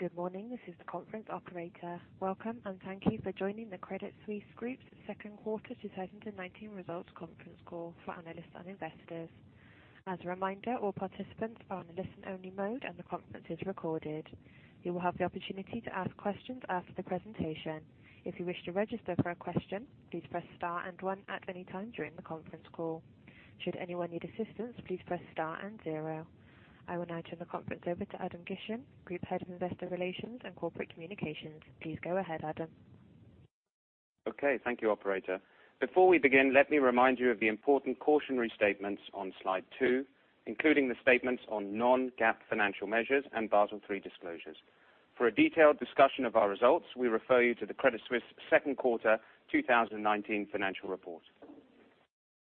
Good morning. This is the conference operator. Welcome, and thank you for joining the Credit Suisse Group's Second Quarter 2019 Results Conference Call for analysts and investors. As a reminder, all participants are on listen-only mode, and the conference is recorded. You will have the opportunity to ask questions after the presentation. If you wish to register for a question, please press star and one at any time during the conference call. Should anyone need assistance, please press star and zero. I will now turn the conference over to Adam Gishen, Group Head of Investor Relations and Corporate Communications. Please go ahead, Adam. Okay. Thank you, operator. Before we begin, let me remind you of the important cautionary statements on slide two, including the statements on non-GAAP financial measures and Basel III disclosures. For a detailed discussion of our results, we refer you to the Credit Suisse second quarter 2019 financial report.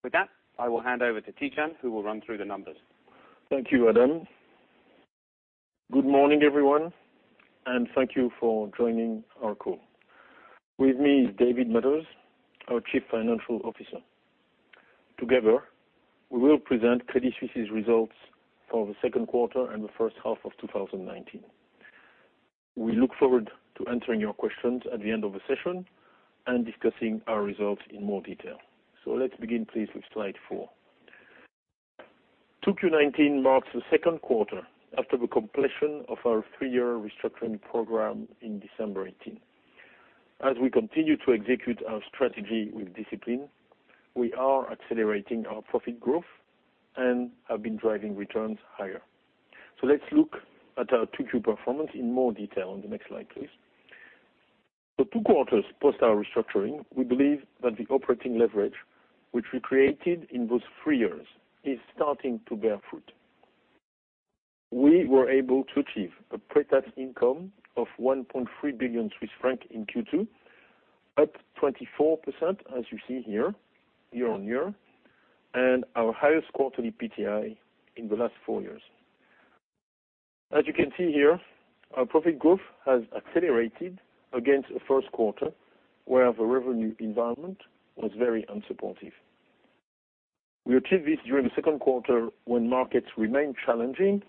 With that, I will hand over to Tidjane, who will run through the numbers. Thank you, Adam. Good morning, everyone, and thank you for joining our call. With me is David Mathers, our Chief Financial Officer. Together, we will present Credit Suisse's results for the second quarter and the first half of 2019. We look forward to answering your questions at the end of the session and discussing our results in more detail. Let's begin, please, with slide four. 2Q19 marks the second quarter after the completion of our three-year restructuring program in December 2018. As we continue to execute our strategy with discipline, we are accelerating our profit growth and have been driving returns higher. Let's look at our 2Q performance in more detail on the next slide, please. Two quarters post our restructuring, we believe that the operating leverage which we created in those three years is starting to bear fruit. We were able to achieve a pre-tax income of 1.3 billion Swiss francs in Q2, up 24%, as you see here, year-on-year, and our highest quarterly PTI in the last four years. As you can see here, our profit growth has accelerated against the first quarter, where the revenue environment was very unsupportive. We achieved this during the second quarter when markets remained challenging,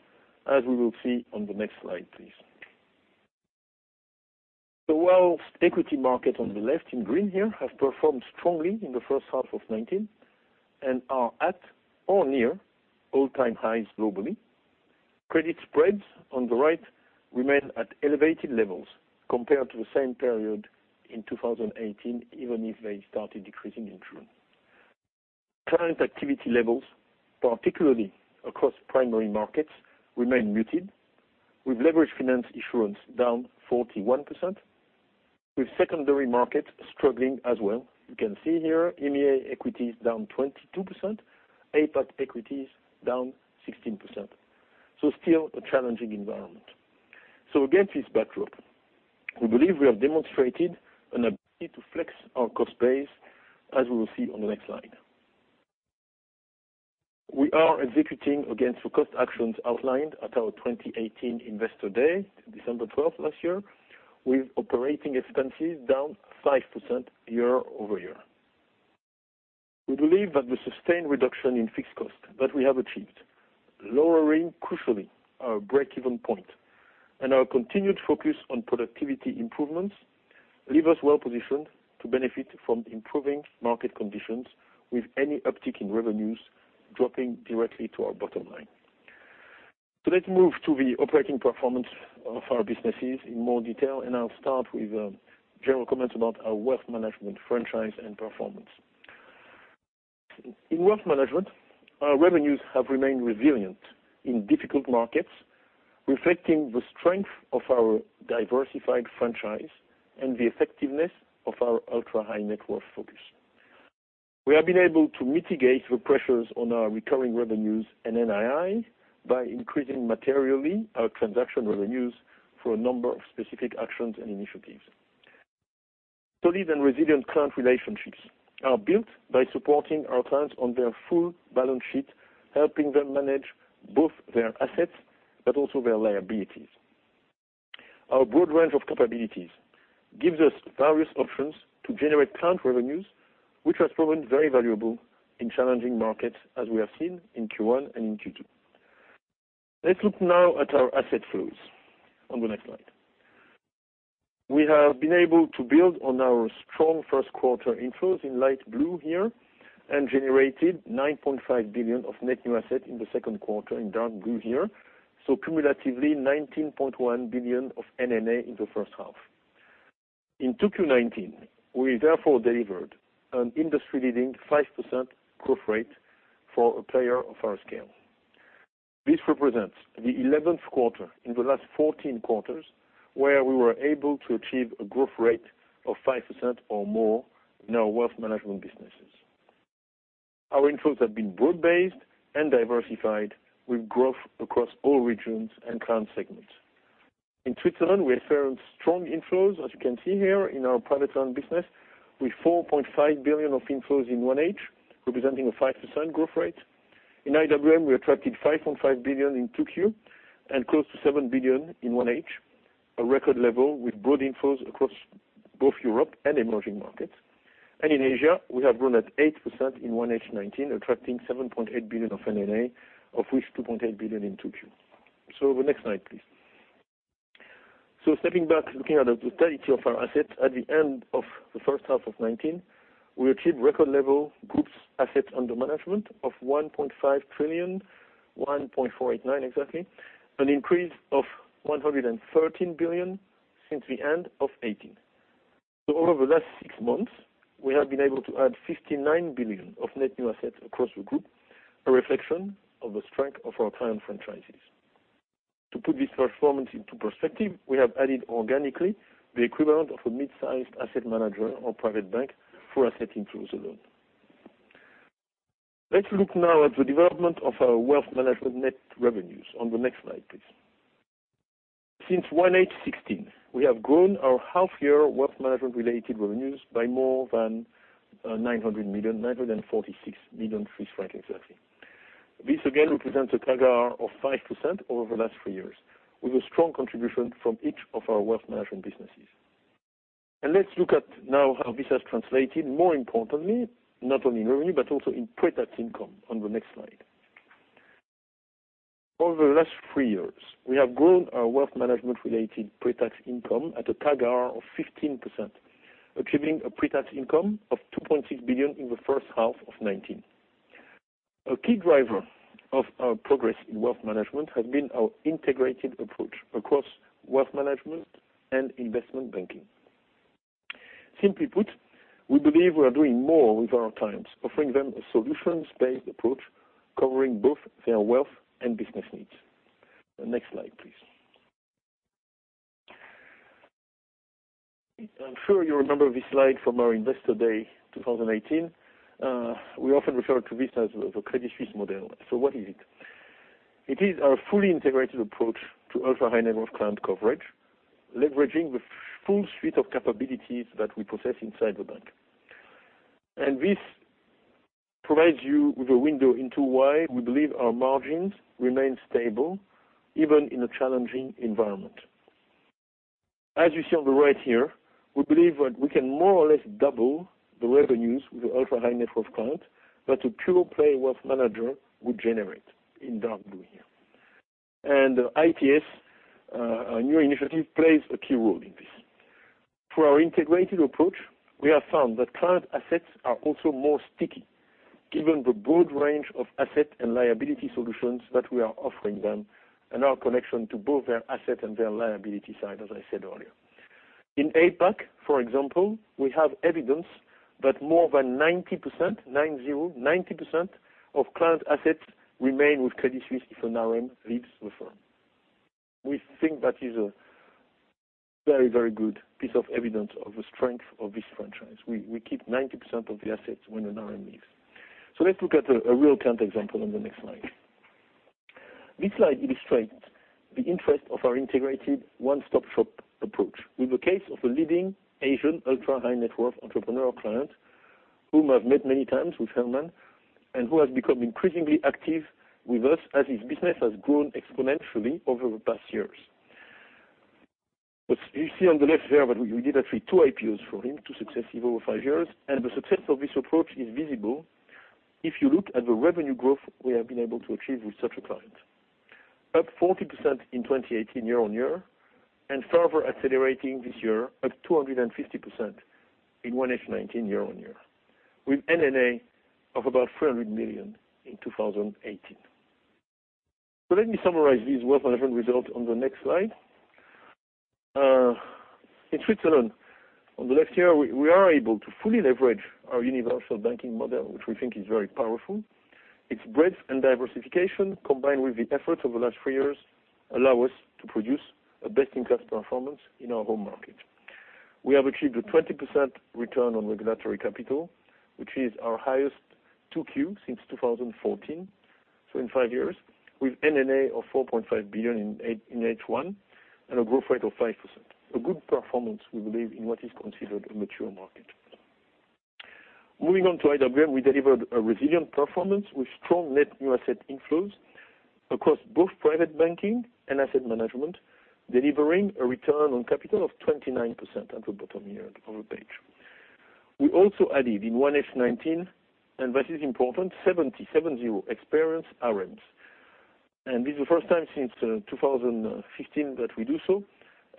as we will see on the next slide, please. While equity market on the left in green here have performed strongly in the first half of 2019 and are at or near all-time highs globally, credit spreads on the right remain at elevated levels compared to the same period in 2018, even if they started decreasing in June. Client activity levels, particularly across primary markets, remain muted, with leveraged finance issuance down 41%, with secondary market struggling as well. You can see here, EMEA equities down 22%, APAC equities down 16%. Still a challenging environment. Against this backdrop, we believe we have demonstrated an ability to flex our cost base as we will see on the next slide. We are executing against the cost actions outlined at our 2018 Investor Day, December 12th last year, with operating expenses down 5% year-over-year. We believe that the sustained reduction in fixed cost that we have achieved, lowering crucially our break-even point, and our continued focus on productivity improvements, leave us well positioned to benefit from improving market conditions with any uptick in revenues dropping directly to our bottom line. Let's move to the operating performance of our businesses in more detail, and I'll start with general comments about our wealth management franchise and performance. In wealth management, our revenues have remained resilient in difficult markets, reflecting the strength of our diversified franchise and the effectiveness of our ultra-high-net-worth focus. We have been able to mitigate the pressures on our recurring revenues and NII by increasing materially our transaction revenues through a number of specific actions and initiatives. Solid and resilient client relationships are built by supporting our clients on their full balance sheet, helping them manage both their assets but also their liabilities. Our broad range of capabilities gives us various options to generate client revenues, which has proven very valuable in challenging markets as we have seen in Q1 and in Q2. Let's look now at our asset flows on the next slide. We have been able to build on our strong first quarter inflows in light blue here and generated 9.5 billion of net new assets in the second quarter in dark blue here. Cumulatively 19.1 billion of NNA in the first half. In 2Q19, we therefore delivered an industry-leading 5% growth rate for a player of our scale. This represents the 11th quarter in the last 14 quarters where we were able to achieve a growth rate of 5% or more in our wealth management businesses. Our inflows have been broad-based and diversified with growth across all regions and client segments. In Switzerland, we experienced strong inflows, as you can see here in our private client business, with 4.5 billion of inflows in 1H, representing a 5% growth rate. In IWM, we attracted 5.5 billion in 2Q and close to 7 billion in 1H, a record level with broad inflows across both Europe and emerging markets. In Asia, we have grown at 8% in 1H 2019, attracting 7.8 billion of NNA, of which 2.8 billion in 2Q. The next slide, please. Stepping back, looking at the totality of our assets at the end of the first half of 2019, we achieved record level Group's assets under management of 1.5 trillion, 1.489 trillion exactly, an increase of 113 billion since the end of 2018. Over the last six months, we have been able to add 59 billion of net new assets across the Group, a reflection of the strength of our client franchises. To put this performance into perspective, we have added organically the equivalent of a mid-sized asset manager or private bank for asset inflows alone. Let's look now at the development of our wealth management net revenues on the next slide, please. Since 1H 2016, we have grown our half-year wealth management-related revenues by more than 900 million, 946 million Swiss franc exactly. This again represents a CAGR of 5% over the last three years, with a strong contribution from each of our wealth management businesses. Let's look at now how this has translated, more importantly, not only in revenue, but also in pre-tax income on the next slide. Over the last three years, we have grown our wealth management related pre-tax income at a CAGR of 15%, achieving a pre-tax income of 2.6 billion in the first half of 2019. A key driver of our progress in wealth management has been our integrated approach across wealth management and investment banking. Simply put, we believe we are doing more with our clients, offering them a solutions-based approach covering both their wealth and business needs. The next slide, please. I'm sure you remember this slide from our Investor Day 2018. What is it? It is our fully integrated approach to ultra-high net worth client coverage, leveraging the full suite of capabilities that we possess inside the bank. This provides you with a window into why we believe our margins remain stable, even in a challenging environment. As you see on the right here, we believe that we can more or less double the revenues with the ultra-high net worth client than a pure-play wealth manager would generate in dark blue here. ITS, our new initiative, plays a key role in this. Through our integrated approach, we have found that client assets are also more sticky, given the broad range of asset and liability solutions that we are offering them and our connection to both their asset and their liability side, as I said earlier. In APAC, for example, we have evidence that more than 90%, 9-0, 90% of client assets remain with Credit Suisse if an RM leaves the firm. We think that is a very good piece of evidence of the strength of this franchise. We keep 90% of the assets when an RM leaves. Let's look at a real-time example on the next slide. This slide illustrates the interest of our integrated one-stop shop approach with the case of a leading Asian ultra-high net worth entrepreneurial client, whom I have met many times with Helman, and who has become increasingly active with us as his business has grown exponentially over the past years. You see on the left there that we did actually two IPOs for him, two successive over five years, the success of this approach is visible if you look at the revenue growth we have been able to achieve with such a client. Up 40% in 2018 year-on-year, further accelerating this year up 250% in 1H19 year-on-year, with NNA of about 300 million in 2018. Let me summarize these wealth management results on the next slide. In Switzerland, on the left here, we are able to fully leverage our universal banking model, which we think is very powerful. Its breadth and diversification, combined with the efforts over the last three years, allow us to produce a best-in-class performance in our home market. We have achieved a 20% return on regulatory capital, which is our highest 2Q since 2014, so in five years, with NNA of 4.5 billion in H1 and a growth rate of 5%. A good performance we believe in what is considered a mature market. Moving on to IWM, we delivered a resilient performance with strong net new asset inflows across both private banking and asset management, delivering a return on capital of 29% at the bottom here of the page. We also added in 1H19, and this is important, 70, 7-0, experienced RMs. This is the first time since 2015 that we do so.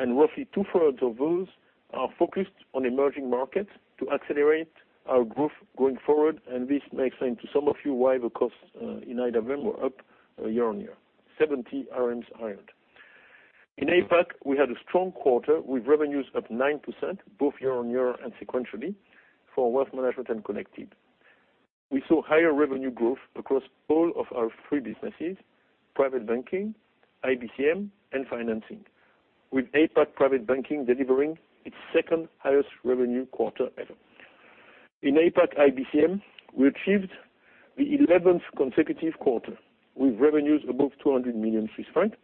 Roughly 2/3 of those are focused on emerging markets to accelerate our growth going forward. This may explain to some of you why the costs in IWM were up year-on-year. 70 RMs hired. In APAC, we had a strong quarter with revenues up 9%, both year-on-year and sequentially for wealth management and connected. We saw higher revenue growth across all of our three businesses, private banking, IBCM, and financing, with APAC private banking delivering its second highest revenue quarter ever. In APAC IBCM, we achieved the 11th consecutive quarter with revenues above 200 million Swiss francs,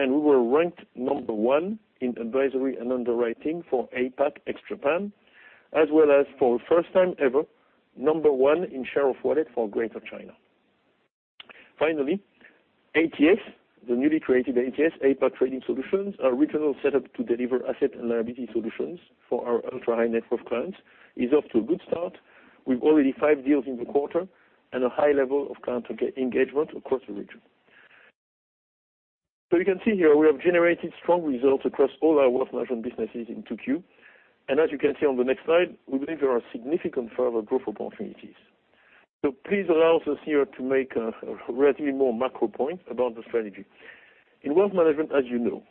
and we were ranked number one in advisory and underwriting for APAC ex-Japan, as well as for the first time ever, number one in share of wallet for Greater China. ATS, the newly created ATS, APAC Trading Solutions, our regional setup to deliver asset and liability solutions for our ultra-high net worth clients, is off to a good start. We've already five deals in the quarter and a high level of client engagement across the region. You can see here we have generated strong results across all our wealth management businesses in 2Q. As you can see on the next slide, we believe there are significant further growth opportunities. Please allow us here to make a relatively more macro point about the strategy. In wealth management, as you know,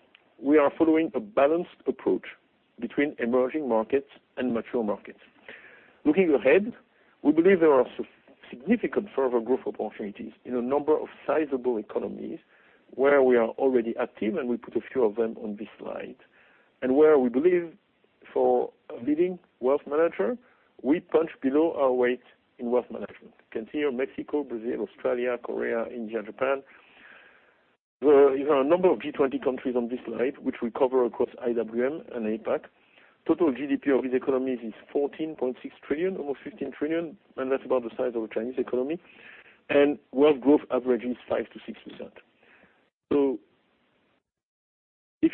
we are following a balanced approach between emerging markets and mature markets. Looking ahead, we believe there are significant further growth opportunities in a number of sizable economies where we are already active, and we put a few of them on this slide, and where we believe for a leading wealth manager, we punch below our weight in wealth management. You can see here Mexico, Brazil, Australia, Korea, India, Japan. There is a number of G20 countries on this slide, which we cover across IWM and APAC. Total GDP of these economies is 14.6 trillion, over 15 trillion, and that's about the size of a Chinese economy, and wealth growth averaging is 5% to 6%. If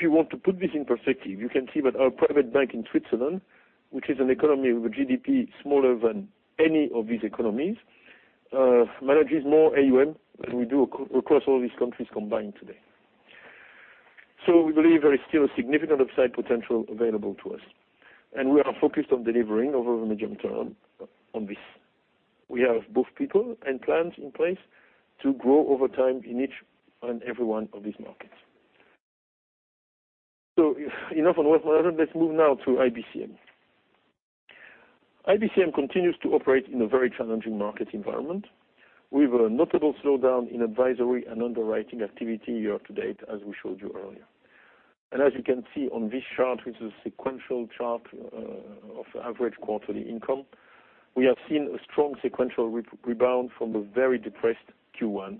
you want to put this in perspective, you can see that our private bank in Switzerland, which is an economy with a GDP smaller than any of these economies, manages more AUM than we do across all these countries combined today. We believe there is still a significant upside potential available to us, and we are focused on delivering over the medium term on this. We have both people and plans in place to grow over time in each and every one of these markets. Enough on wealth management. Let's move now to IBCM. IBCM continues to operate in a very challenging market environment with a notable slowdown in advisory and underwriting activity year to date, as we showed you earlier. As you can see on this chart, which is a sequential chart of average quarterly income, we have seen a strong sequential rebound from the very depressed Q1,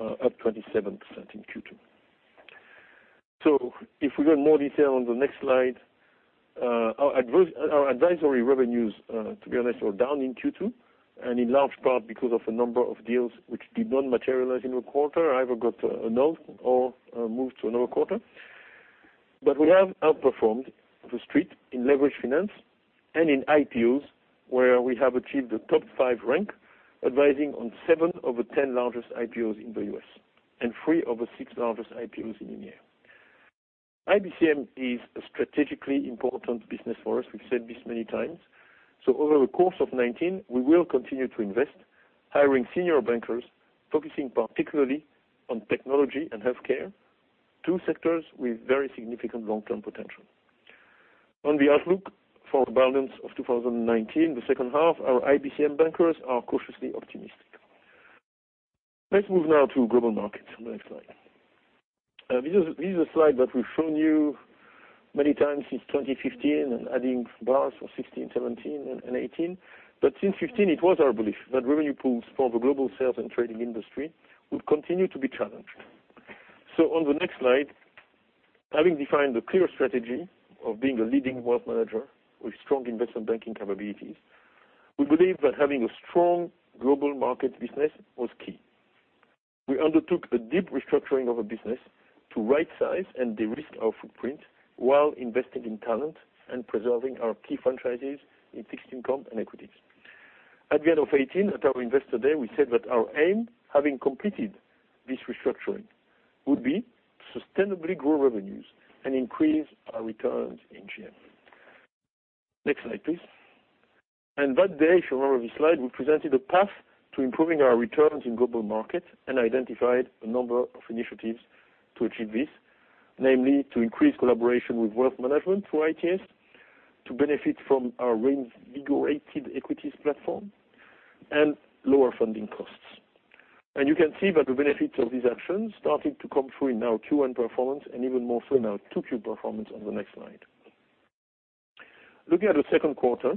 up 27% in Q2. If we go in more detail on the next slide, our advisory revenues, to be honest, were down in Q2, and in large part because of a number of deals which did not materialize in the quarter, either got announced or moved to another quarter. We have outperformed the Street in leveraged finance and in IPOs, where we have achieved a top five rank, advising on seven of the 10 largest IPOs in the U.S. and three of the six largest IPOs in EMEA. IBCM is a strategically important business for us. We've said this many times. Over the course of 2019, we will continue to invest, hiring senior bankers, focusing particularly on technology and healthcare, two sectors with very significant long-term potential. On the outlook for the balance of 2019, the second half, our IBCM bankers are cautiously optimistic. Let's move now to Global Markets on the next slide. This is a slide that we've shown you many times since 2015 and adding bars for 2016, 2017, and 2018. Since 2015, it was our belief that revenue pools for the global sales and trading industry would continue to be challenged. On the next slide, having defined the clear strategy of being a leading wealth manager with strong investment banking capabilities, we believe that having a strong Global Markets business was key. We undertook a deep restructuring of a business to rightsize and de-risk our footprint while investing in talent and preserving our key franchises in fixed income and equities. At the end of 2018, at our Investor Day, we said that our aim, having completed this restructuring, would be to sustainably grow revenues and increase our returns in GM. Next slide, please. That day, if you remember this slide, we presented a path to improving our returns in Global Markets and identified a number of initiatives to achieve this, namely to increase collaboration with wealth management through ITS, to benefit from our reinvigorated equities platform, and lower funding costs. You can see that the benefits of these actions starting to come through in our Q1 performance and even more so in our Q2 performance on the next slide. Looking at the second quarter,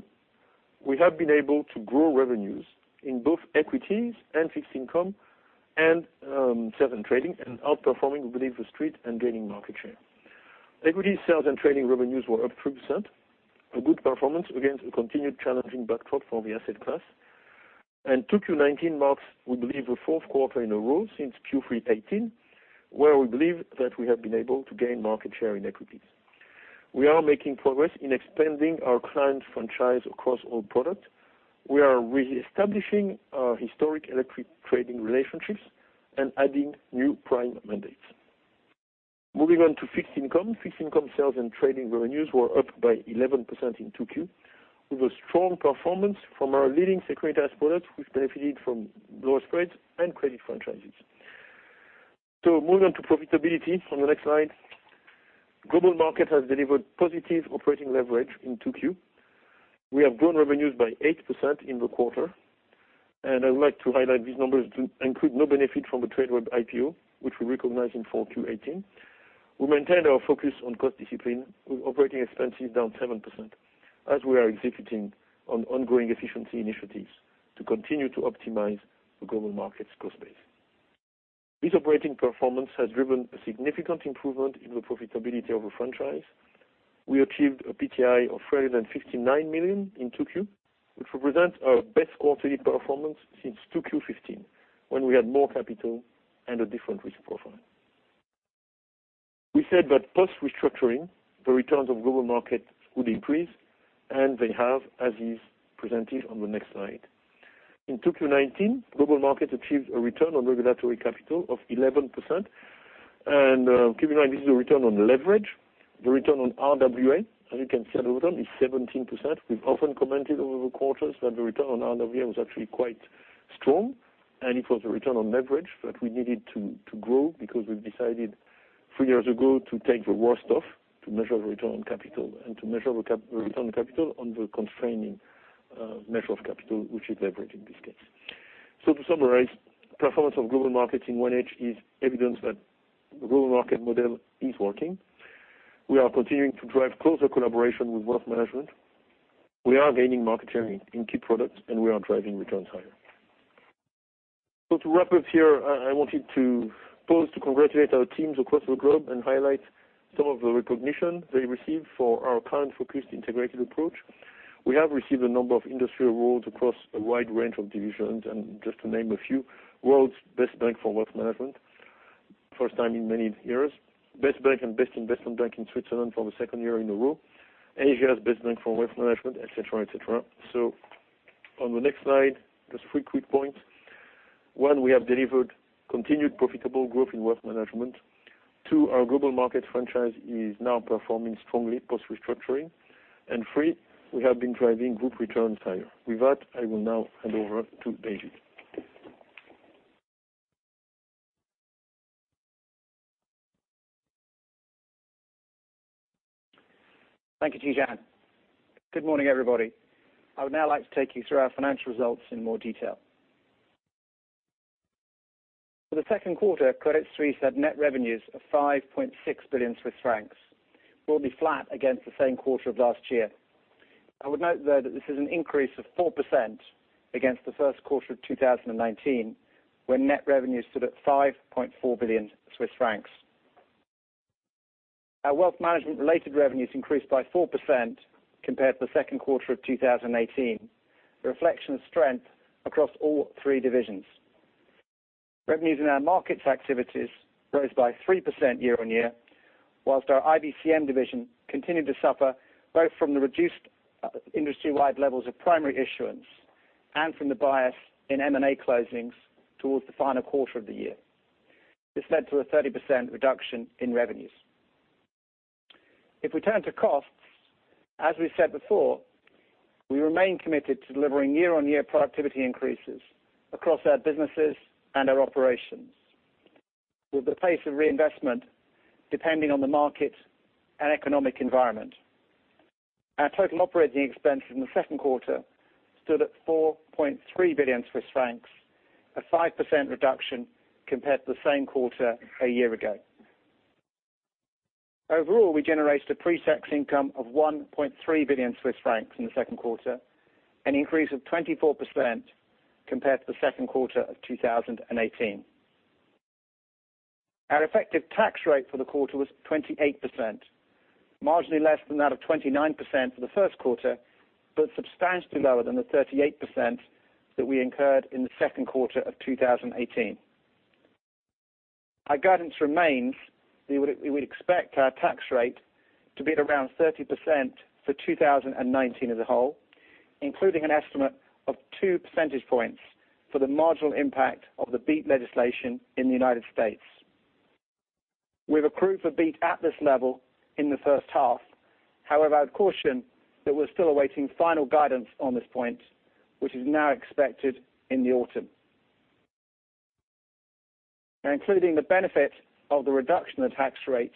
we have been able to grow revenues in both equities and fixed income, and sales and trading and outperforming, we believe, the Street and gaining market share. Equity sales and trading revenues were up 3%, a good performance against a continued challenging backdrop for the asset class. 2Q19 marks, we believe, the fourth quarter in a row since Q3 2018, where we believe that we have been able to gain market share in equities. We are making progress in expanding our client franchise across all products. We are reestablishing our historic electronic trading relationships and adding new prime mandates. Moving on to fixed income. Fixed income sales and trading revenues were up by 11% in 2Q, with a strong performance from our leading securities products, which benefited from lower spreads and credit franchises. Moving on to profitability on the next slide. Global Markets has delivered positive operating leverage in 2Q. We have grown revenues by 8% in the quarter. I would like to highlight these numbers include no benefit from the Tradeweb IPO, which we recognized in 4Q 2018. We maintained our focus on cost discipline with operating expenses down 7% as we are executing on ongoing efficiency initiatives to continue to optimize the Global Markets cost base. This operating performance has driven a significant improvement in the profitability of a franchise. We achieved a PTI of 359 million in 2Q, which represents our best quarterly performance since 2Q 2015, when we had more capital and a different risk profile. We said that post-restructuring, the returns of Global Markets would increase. They have, as is presented on the next slide. In 2Q 2019, Global Markets achieved a return on regulatory capital of 11%. Keep in mind, this is a return on leverage. The return on RWA, as you can see at the bottom, is 17%. We've often commented over the quarters that the return on RWA was actually quite strong, and it was a return on leverage that we needed to grow because we've decided 3 years ago to take the worst off to measure return on capital, and to measure return on capital under constraining measure of capital, which is leverage in this case. To summarize, performance of Global Markets in 1H is evidence that the Global Markets model is working. We are continuing to drive closer collaboration with Wealth Management. We are gaining market share in key products, and we are driving returns higher. To wrap up here, I wanted to pause to congratulate our teams across the globe and highlight some of the recognition they received for our client-focused integrated approach. We have received a number of industry awards across a wide range of divisions. Just to name a few, World's Best Bank for Wealth Management, first time in many years. Best Bank and Best Investment Bank in Switzerland for the second year in a row. Asia's Best Bank for Wealth Management, et cetera. On the next slide, there's three quick points. One, we have delivered continued profitable growth in wealth management. Two, our Global Markets franchise is now performing strongly post-restructuring. Three, we have been driving group returns higher. With that, I will now hand over to David. Thank you, Tidjane. Good morning, everybody. I would now like to take you through our financial results in more detail. For the second quarter, Credit Suisse had net revenues of 5.6 billion Swiss francs, broadly flat against the same quarter of last year. I would note, though, that this is an increase of 4% against the first quarter of 2019, when net revenues stood at 5.4 billion Swiss francs. Our wealth management-related revenues increased by 4% compared to the second quarter of 2018, a reflection of strength across all 3 divisions. Revenues in our markets activities rose by 3% year-on-year, whilst our IBCM division continued to suffer both from the reduced industry-wide levels of primary issuance and from the bias in M&A closings towards the final quarter of the year. This led to a 30% reduction in revenues. If we turn to costs, as we've said before, we remain committed to delivering year-on-year productivity increases across our businesses and our operations, with the pace of reinvestment depending on the market and economic environment. Our total operating expenses in the second quarter stood at 4.3 billion Swiss francs, a 5% reduction compared to the same quarter a year ago. Overall, we generated a pre-tax income of 1.3 billion Swiss francs in the second quarter, an increase of 24% compared to the second quarter of 2018. Our effective tax rate for the quarter was 28%, marginally less than that of 29% for the first quarter, but substantially lower than the 38% that we incurred in the second quarter of 2018. Our guidance remains that we would expect our tax rate to be at around 30% for 2019 as a whole, including an estimate of two percentage points for the marginal impact of the BEAT legislation in the United States. We've accrued for BEAT at this level in the first half. However, I'd caution that we're still awaiting final guidance on this point, which is now expected in the autumn. Now, including the benefit of the reduction in the tax rate,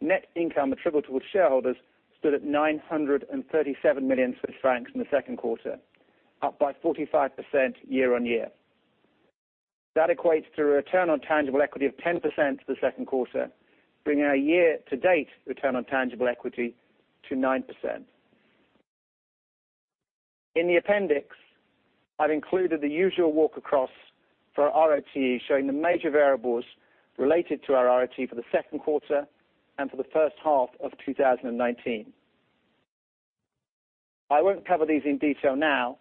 net income attributable to shareholders stood at 937 million Swiss francs in the second quarter, up by 45% year-on-year. That equates to a return on tangible equity of 10% for the second quarter, bringing our year-to-date return on tangible equity to 9%. In the appendix, I've included the usual walk across for our RoTE, showing the major variables related to our RoTE for the second quarter and for the first half of 2019. I won't cover these in detail now,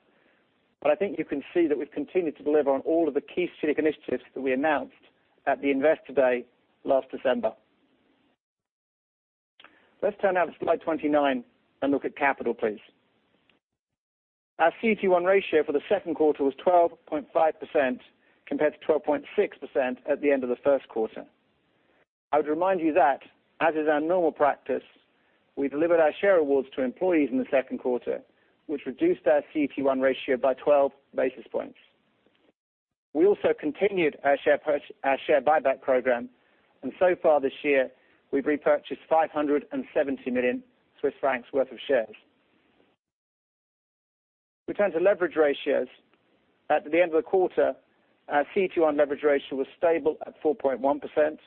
but I think you can see that we've continued to deliver on all of the key strategic initiatives that we announced at the Investor Day last December. Let's turn now to slide 29 and look at capital, please. Our CET1 ratio for the second quarter was 12.5% compared to 12.6% at the end of the first quarter. I would remind you that, as is our normal practice, we delivered our share awards to employees in the second quarter, which reduced our CET1 ratio by 12 basis points. We also continued our share buyback program, and so far this year, we've repurchased 570 million Swiss francs worth of shares. If we turn to leverage ratios, at the end of the quarter, our CET1 leverage ratio was stable at 4.1%,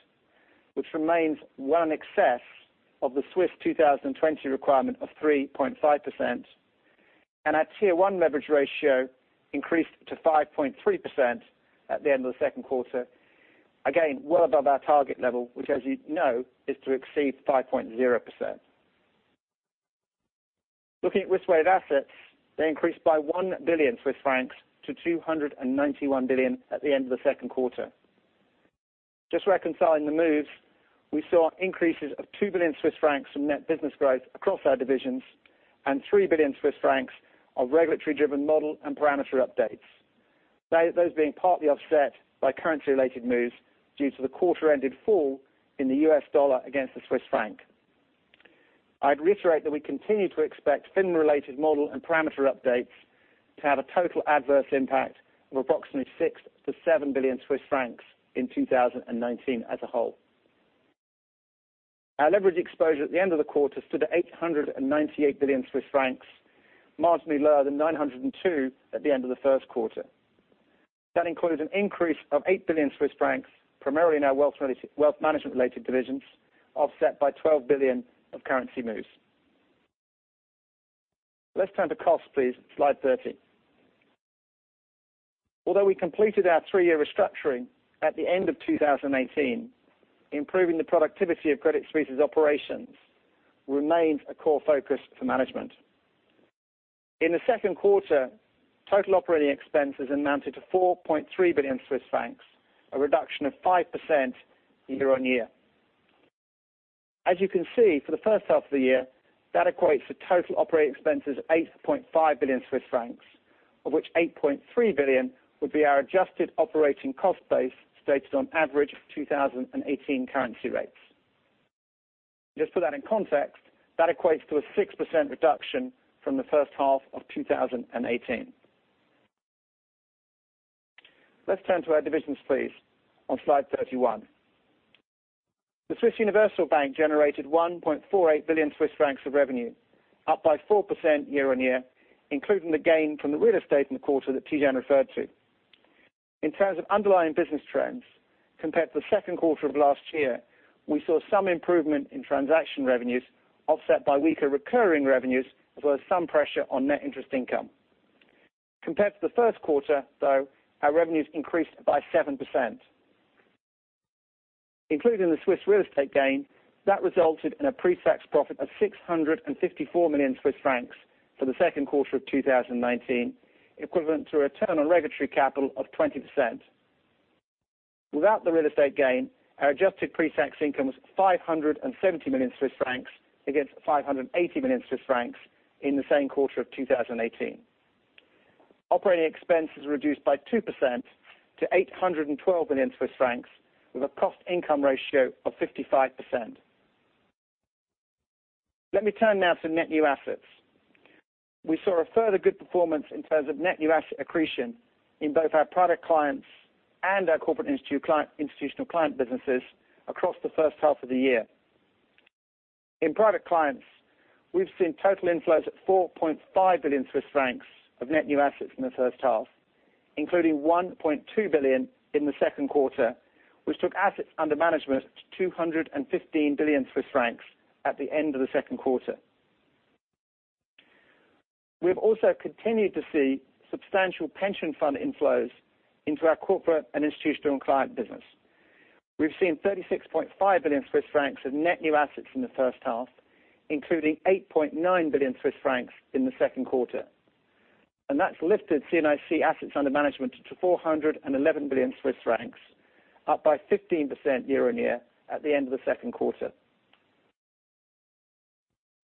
which remains well in excess of the Swiss 2020 requirement of 3.5%. Our Tier 1 leverage ratio increased to 5.3% at the end of the second quarter. Again, well above our target level, which as you know, is to exceed 5.0%. Looking at risk-weighted assets, they increased by 1 billion Swiss francs to 291 billion at the end of the second quarter. Just reconciling the moves, we saw increases of 2 billion Swiss francs from net business growth across our divisions and 3 billion Swiss francs of regulatory-driven model and parameter updates. Those being partly offset by currency-related moves due to the quarter-ended fall in the U.S. dollar against the Swiss franc. I'd reiterate that we continue to expect FINMA-related model and parameter updates to have a total adverse impact of approximately 6 billion-7 billion Swiss francs in 2019 as a whole. Our leverage exposure at the end of the quarter stood at 898 billion Swiss francs, marginally lower than 902 billion at the end of the first quarter. That includes an increase of 8 billion Swiss francs, primarily in our wealth management-related divisions, offset by 12 billion of currency moves. Let's turn to cost, please, slide 30. Although we completed our three-year restructuring at the end of 2018, improving the productivity of Credit Suisse's operations remains a core focus for management. In the second quarter, total operating expenses amounted to 4.3 billion Swiss francs, a reduction of 5% year-on-year. As you can see, for the first half of the year, that equates to total operating expenses of 8.5 billion Swiss francs, of which 8.3 billion would be our adjusted operating cost base stated on average 2018 currency rates. Just to put that in context, that equates to a 6% reduction from the first half of 2018. Let's turn to our divisions please, on slide 31. The Swiss Universal Bank generated 1.48 billion Swiss francs of revenue, up by 4% year-on-year, including the gain from the real estate in the quarter that Tidjane referred to. In terms of underlying business trends, compared to the second quarter of last year, we saw some improvement in transaction revenues offset by weaker recurring revenues, as well as some pressure on net interest income. Compared to the first quarter, though, our revenues increased by 7%. Including the Swiss real estate gain, resulted in a pre-tax profit of 654 million Swiss francs for the second quarter of 2019, equivalent to a return on regulatory capital of 20%. Without the real estate gain, our adjusted pre-tax income was 570 million Swiss francs against 580 million Swiss francs in the same quarter of 2018. Operating expenses reduced by 2% to 812 million Swiss francs with a cost-income ratio of 55%. Let me turn now to net new assets. We saw a further good performance in terms of net new asset accretion in both our private clients and our corporate institutional client businesses across the first half of the year. In private clients, we've seen total inflows at 4.5 billion Swiss francs of net new assets in the first half, including 1.2 billion in the second quarter, which took assets under management to 215 billion Swiss francs at the end of the second quarter. We've also continued to see substantial pension fund inflows into our corporate and institutional client business. We've seen 36.5 billion Swiss francs of net new assets in the first half, including 8.9 billion Swiss francs in the second quarter. That's lifted C&IC assets under management to 411 billion Swiss francs, up by 15% year-on-year at the end of the second quarter.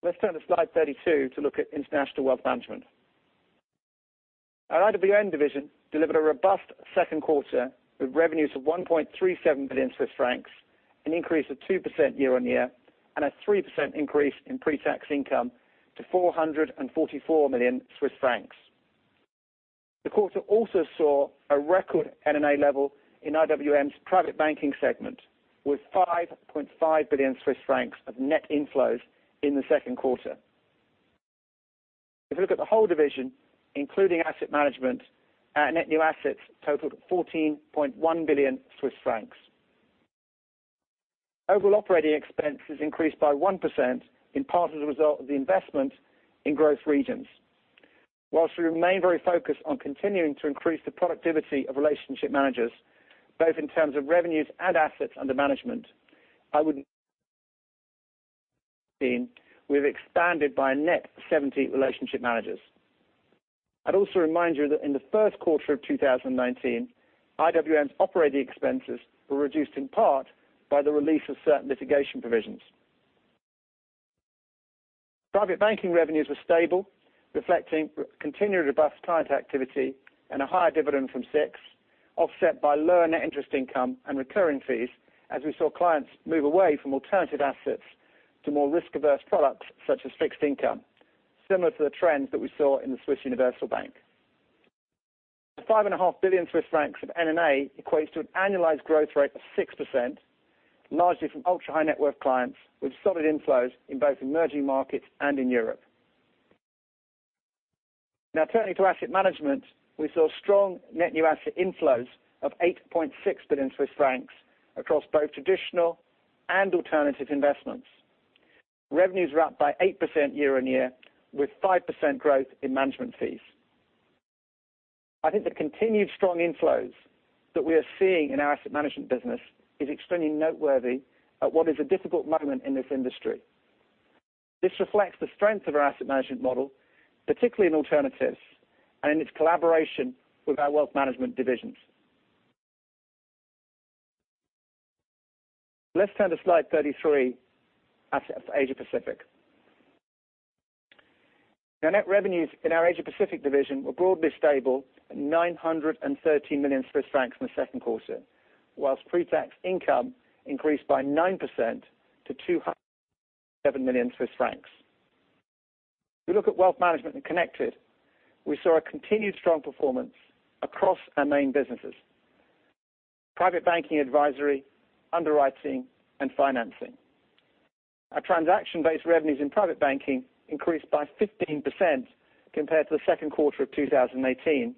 Let's turn to slide 32 to look at International Wealth Management. Our IWM division delivered a robust second quarter with revenues of 1.37 billion Swiss francs, an increase of 2% year-on-year, and a 3% increase in pre-tax income to 444 million Swiss francs. The quarter also saw a record NNA level in IWM's private banking segment, with 5.5 billion Swiss francs of net inflows in the second quarter. If you look at the whole division, including asset management, our net new assets totaled 14.1 billion Swiss francs. Overall operating expenses increased by 1%, in part as a result of the investment in growth regions. Whilst we remain very focused on continuing to increase the productivity of relationship managers, both in terms of revenues and assets under management, we've expanded by a net 17 relationship managers. I'd also remind you that in the first quarter of 2019, IWM's operating expenses were reduced in part by the release of certain litigation provisions. Private banking revenues were stable, reflecting continued robust client activity and a higher dividend from SIX, offset by lower net interest income and recurring fees, as we saw clients move away from alternative assets to more risk-averse products such as fixed income, similar to the trends that we saw in the Swiss Universal Bank. 5.5 billion Swiss francs of NNA equates to an annualized growth rate of 6%, largely from ultra-high net worth clients with solid inflows in both emerging markets and in Europe. Turning to Asset Management, we saw strong net new asset inflows of 8.6 billion Swiss francs across both traditional and alternative investments. Revenues were up by 8% year-on-year, with 5% growth in management fees. I think the continued strong inflows that we are seeing in our Asset Management business is extremely noteworthy at what is a difficult moment in this industry. This reflects the strength of our asset management model, particularly in alternatives, and in its collaboration with our wealth management divisions. Let's turn to slide 33, assets Asia Pacific. Now, net revenues in our Asia Pacific division were broadly stable at 913 million Swiss francs in the second quarter, whilst pre-tax income increased by 9% to 207 million Swiss francs. If we look at wealth management and connected, we saw a continued strong performance across our main businesses, private banking advisory, underwriting, and financing. Our transaction-based revenues in private banking increased by 15% compared to the second quarter of 2018,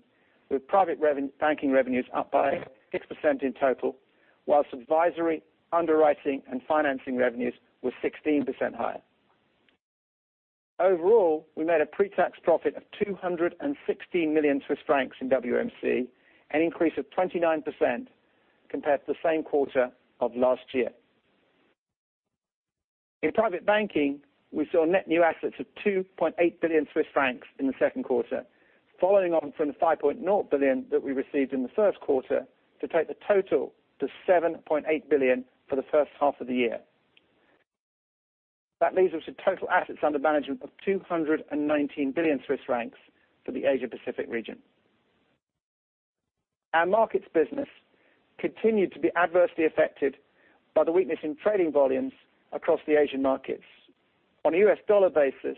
with private banking revenues up by 6% in total, whilst advisory, underwriting, and financing revenues were 16% higher. Overall, we made a pre-tax profit of 216 million Swiss francs in WMC, an increase of 29% compared to the same quarter of last year. In private banking, we saw net new assets of 2.8 billion Swiss francs in the second quarter, following on from the 5.0 billion that we received in the first quarter to take the total to 7.8 billion for the first half of the year. That leaves us with total assets under management of 219 billion Swiss francs for the Asia Pacific region. Our markets business continued to be adversely affected by the weakness in trading volumes across the Asian markets. On a U.S. dollar basis,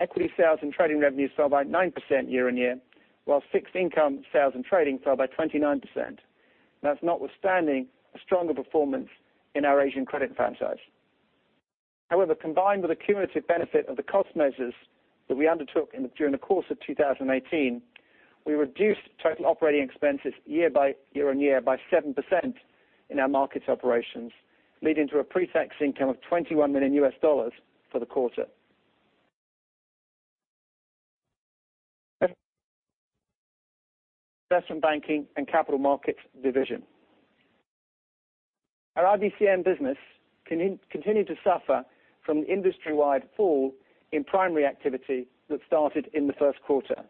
equity sales and trading revenues fell by 9% year-on-year, while fixed income sales and trading fell by 29%. That's notwithstanding a stronger performance in our Asian credit franchise. Combined with the cumulative benefit of the cost measures that we undertook during the course of 2018, we reduced total operating expenses year-on-year by 7% in our markets operations, leading to a pre-tax income of $21 million for the quarter. Investment banking and capital markets division. Our IBCM business continued to suffer from the industry-wide fall in primary activity that started in the first quarter,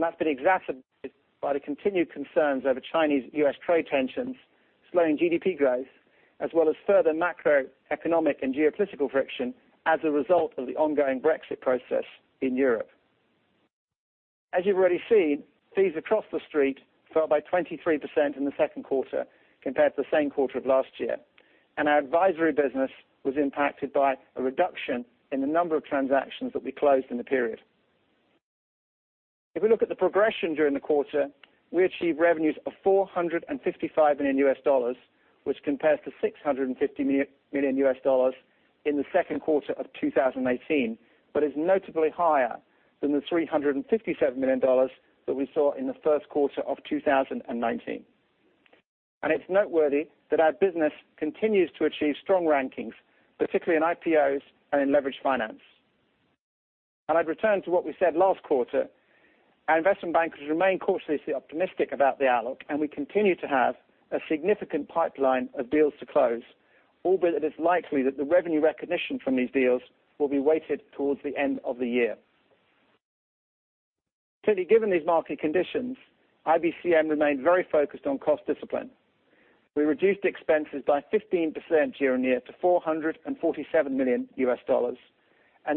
that's been exacerbated by the continued concerns over Chinese-U.S. trade tensions, slowing GDP growth, as well as further macroeconomic and geopolitical friction as a result of the ongoing Brexit process in Europe. As you've already seen, fees across the street fell by 23% in the second quarter compared to the same quarter of last year. Our advisory business was impacted by a reduction in the number of transactions that we closed in the period. If we look at the progression during the quarter, we achieved revenues of $455 million, which compares to $650 million in the second quarter of 2018, but is notably higher than the $357 million that we saw in the first quarter of 2019. It's noteworthy that our business continues to achieve strong rankings, particularly in IPOs and in leverage finance. I'd return to what we said last quarter, our investment bankers remain cautiously optimistic about the outlook, and we continue to have a significant pipeline of deals to close, albeit it is likely that the revenue recognition from these deals will be weighted towards the end of the year. Clearly, given these market conditions, IBCM remained very focused on cost discipline. We reduced expenses by 15% year-on-year to $447 million.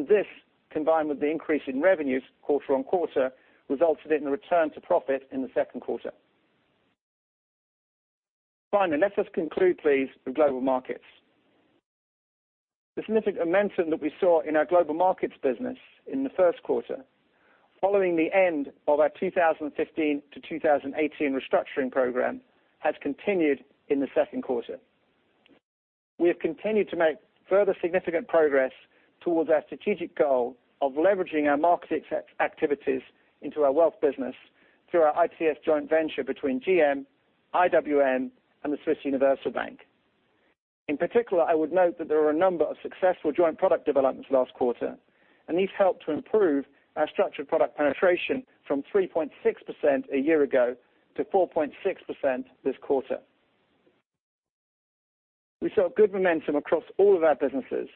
This, combined with the increase in revenues quarter on quarter, resulted in a return to profit in the second quarter. Finally, let us conclude, please, with Global Markets. The significant momentum that we saw in our Global Markets business in the first quarter, following the end of our 2015 to 2018 restructuring program, has continued in the second quarter. We have continued to make further significant progress towards our strategic goal of leveraging our markets activities into our wealth business through our ITS joint venture between GM, IWM, and the Swiss Universal Bank. In particular, I would note that there were a number of successful joint product developments last quarter, and these helped to improve our structured product penetration from 3.6% a year ago to 4.6% this quarter. We saw good momentum across all of our businesses,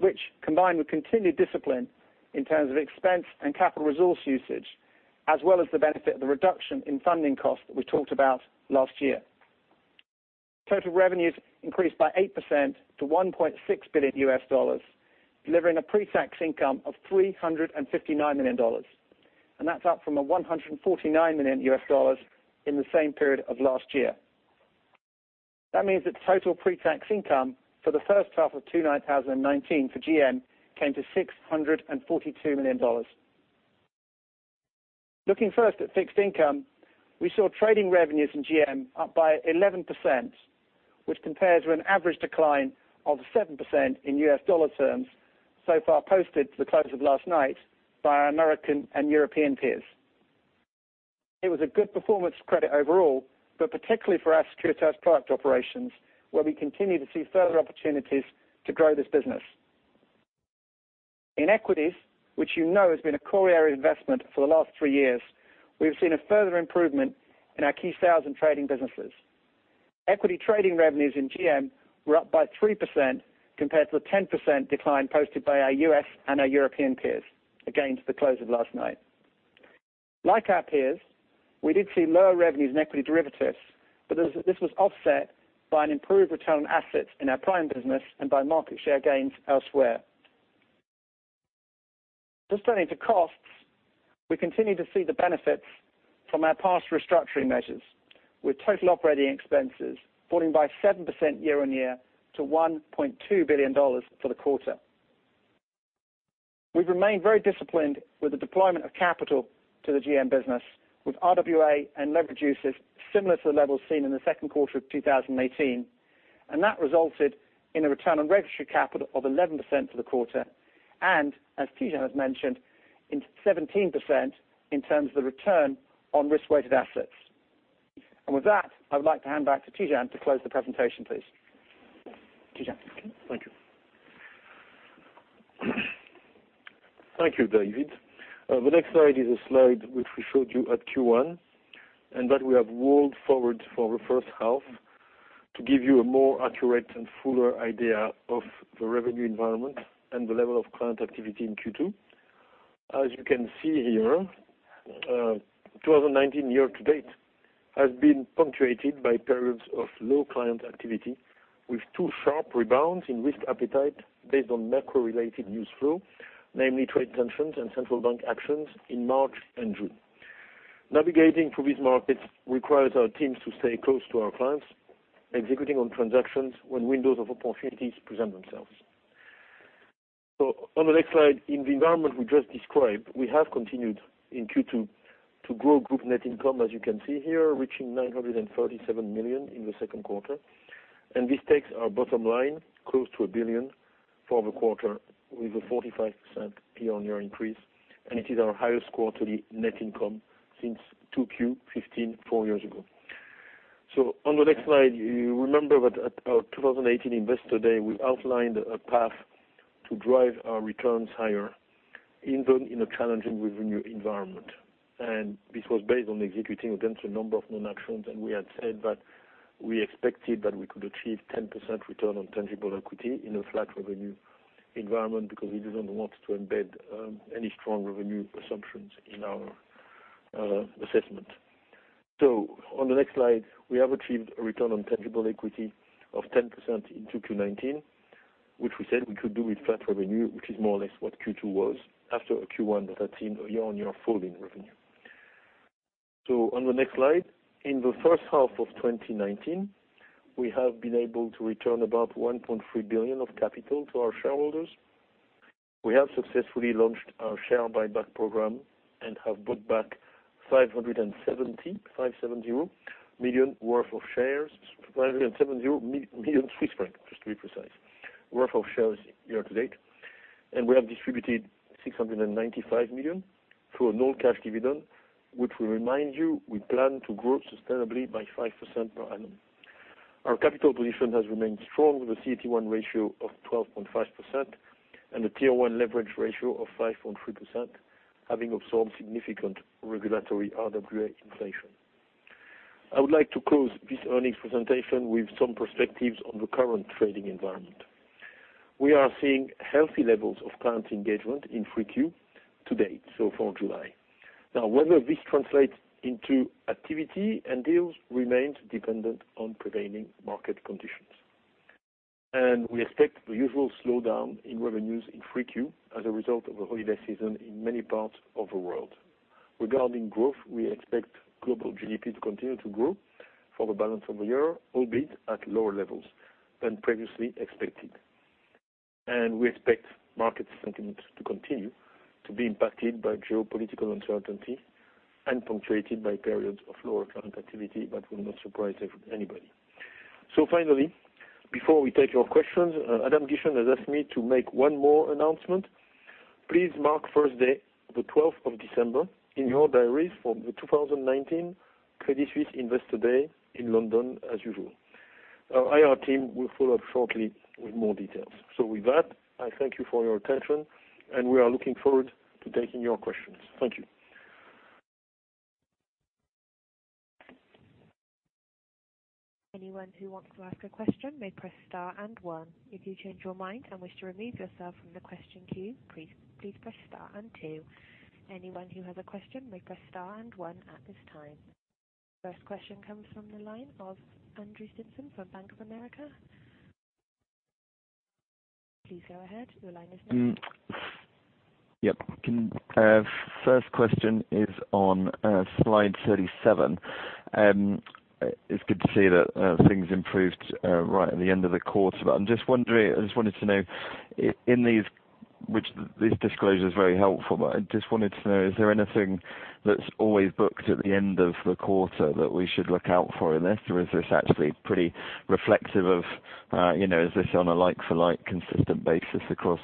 which combined with continued discipline in terms of expense and capital resource usage, as well as the benefit of the reduction in funding costs that we talked about last year. Total revenues increased by 8% to $1.6 billion, delivering a pre-tax income of $359 million. That's up from a $149 million in the same period of last year. That means that the total pre-tax income for the first half of 2019 for GM came to $642 million. Looking first at fixed income, we saw trading revenues in GM up by 11%, which compares with an average decline of 7% in U.S. dollar terms so far posted to the close of last night by our American and European peers. It was a good performance credit overall, but particularly for our securities and product operations, where we continue to see further opportunities to grow this business. In equities, which you know has been a core area of investment for the last three years, we have seen a further improvement in our key sales and trading businesses. Equity trading revenues in GM were up by 3% compared to the 10% decline posted by our U.S. and our European peers, again, to the close of last night. Like our peers, we did see lower revenues in equity derivatives, but this was offset by an improved return on assets in our prime business and by market share gains elsewhere. Just turning to costs, we continue to see the benefits from our past restructuring measures, with total operating expenses falling by 7% year-on-year to CHF 1.2 billion for the quarter. We've remained very disciplined with the deployment of capital to the GM business, with RWA and leverage uses similar to the levels seen in the second quarter of 2018. That resulted in a return on regulatory capital of 11% for the quarter, and as Tidjane has mentioned, 17% in terms of the return on risk-weighted assets. With that, I would like to hand back to Tidjane to close the presentation, please. Tidjane. Thank you. Thank you, David. The next slide is a slide which we showed you at Q1, and that we have rolled forward for the first half to give you a more accurate and fuller idea of the revenue environment and the level of client activity in Q2. As you can see here, 2019 year-to-date has been punctuated by periods of low client activity, with two sharp rebounds in risk appetite based on macro-related news flow, namely trade tensions and central bank actions in March and June. Navigating through these markets requires our teams to stay close to our clients, executing on transactions when windows of opportunities present themselves. On the next slide, in the environment we just described, we have continued in Q2 to grow group net income, as you can see here, reaching 937 million in the second quarter. This takes our bottom line close to 1 billion for the quarter with a 45% year-on-year increase. It is our highest quarterly net income since 2Q15, four years ago. On the next slide, you remember that at our 2018 Investor Day, we outlined a path to drive our returns higher even in a challenging revenue environment. This was based on executing against a number of non-actions. We had said that we expected that we could achieve 10% return on tangible equity in a flat revenue environment because we didn't want to embed any strong revenue assumptions in our assessment. On the next slide, we have achieved a return on tangible equity of 10% in 2Q19, which we said we could do with flat revenue, which is more or less what Q2 was after a Q1 that had seen a year-on-year fall in revenue. On the next slide, in the first half of 2019, we have been able to return about 1.3 billion of capital to our shareholders. We have successfully launched our share buyback program and have bought back 570 million worth of shares, 570 million Swiss francs, just to be precise, worth of shares year-to-date. We have distributed 695 million through a null cash dividend, which we remind you, we plan to grow sustainably by 5% per annum. Our capital position has remained strong, with a CET1 ratio of 12.5% and a Tier 1 leverage ratio of 5.3%, having absorbed significant regulatory RWA inflation. I would like to close this earnings presentation with some perspectives on the current trading environment. We are seeing healthy levels of client engagement in 3Q to date, so far July. Whether this translates into activity and deals remains dependent on prevailing market conditions. We expect the usual slowdown in revenues in 3Q as a result of the holiday season in many parts of the world. Regarding growth, we expect global GDP to continue to grow for the balance of the year, albeit at lower levels than previously expected. We expect market sentiment to continue to be impacted by geopolitical uncertainty and punctuated by periods of lower client activity that will not surprise anybody. Finally, before we take your questions, Adam Gishen has asked me to make one more announcement. Please mark Thursday, the 12th of December in your diaries for the 2019 Credit Suisse Investor Day in London as usual. Our IR team will follow up shortly with more details. With that, I thank you for your attention, and we are looking forward to taking your questions. Thank you. Anyone who wants to ask a question may press star and one. If you change your mind and wish to remove yourself from the question queue, please press star and two. Anyone who has a question may press star and one at this time. First question comes from the line of Andrew Stimpson from Bank of America. Please go ahead. Your line is open. Yep. First question is on slide 37. It's good to see that things improved right at the end of the quarter. I just wanted to know, this disclosure is very helpful, but I just wanted to know, is there anything that's always booked at the end of the quarter that we should look out for in this? Is this on a like for like consistent basis across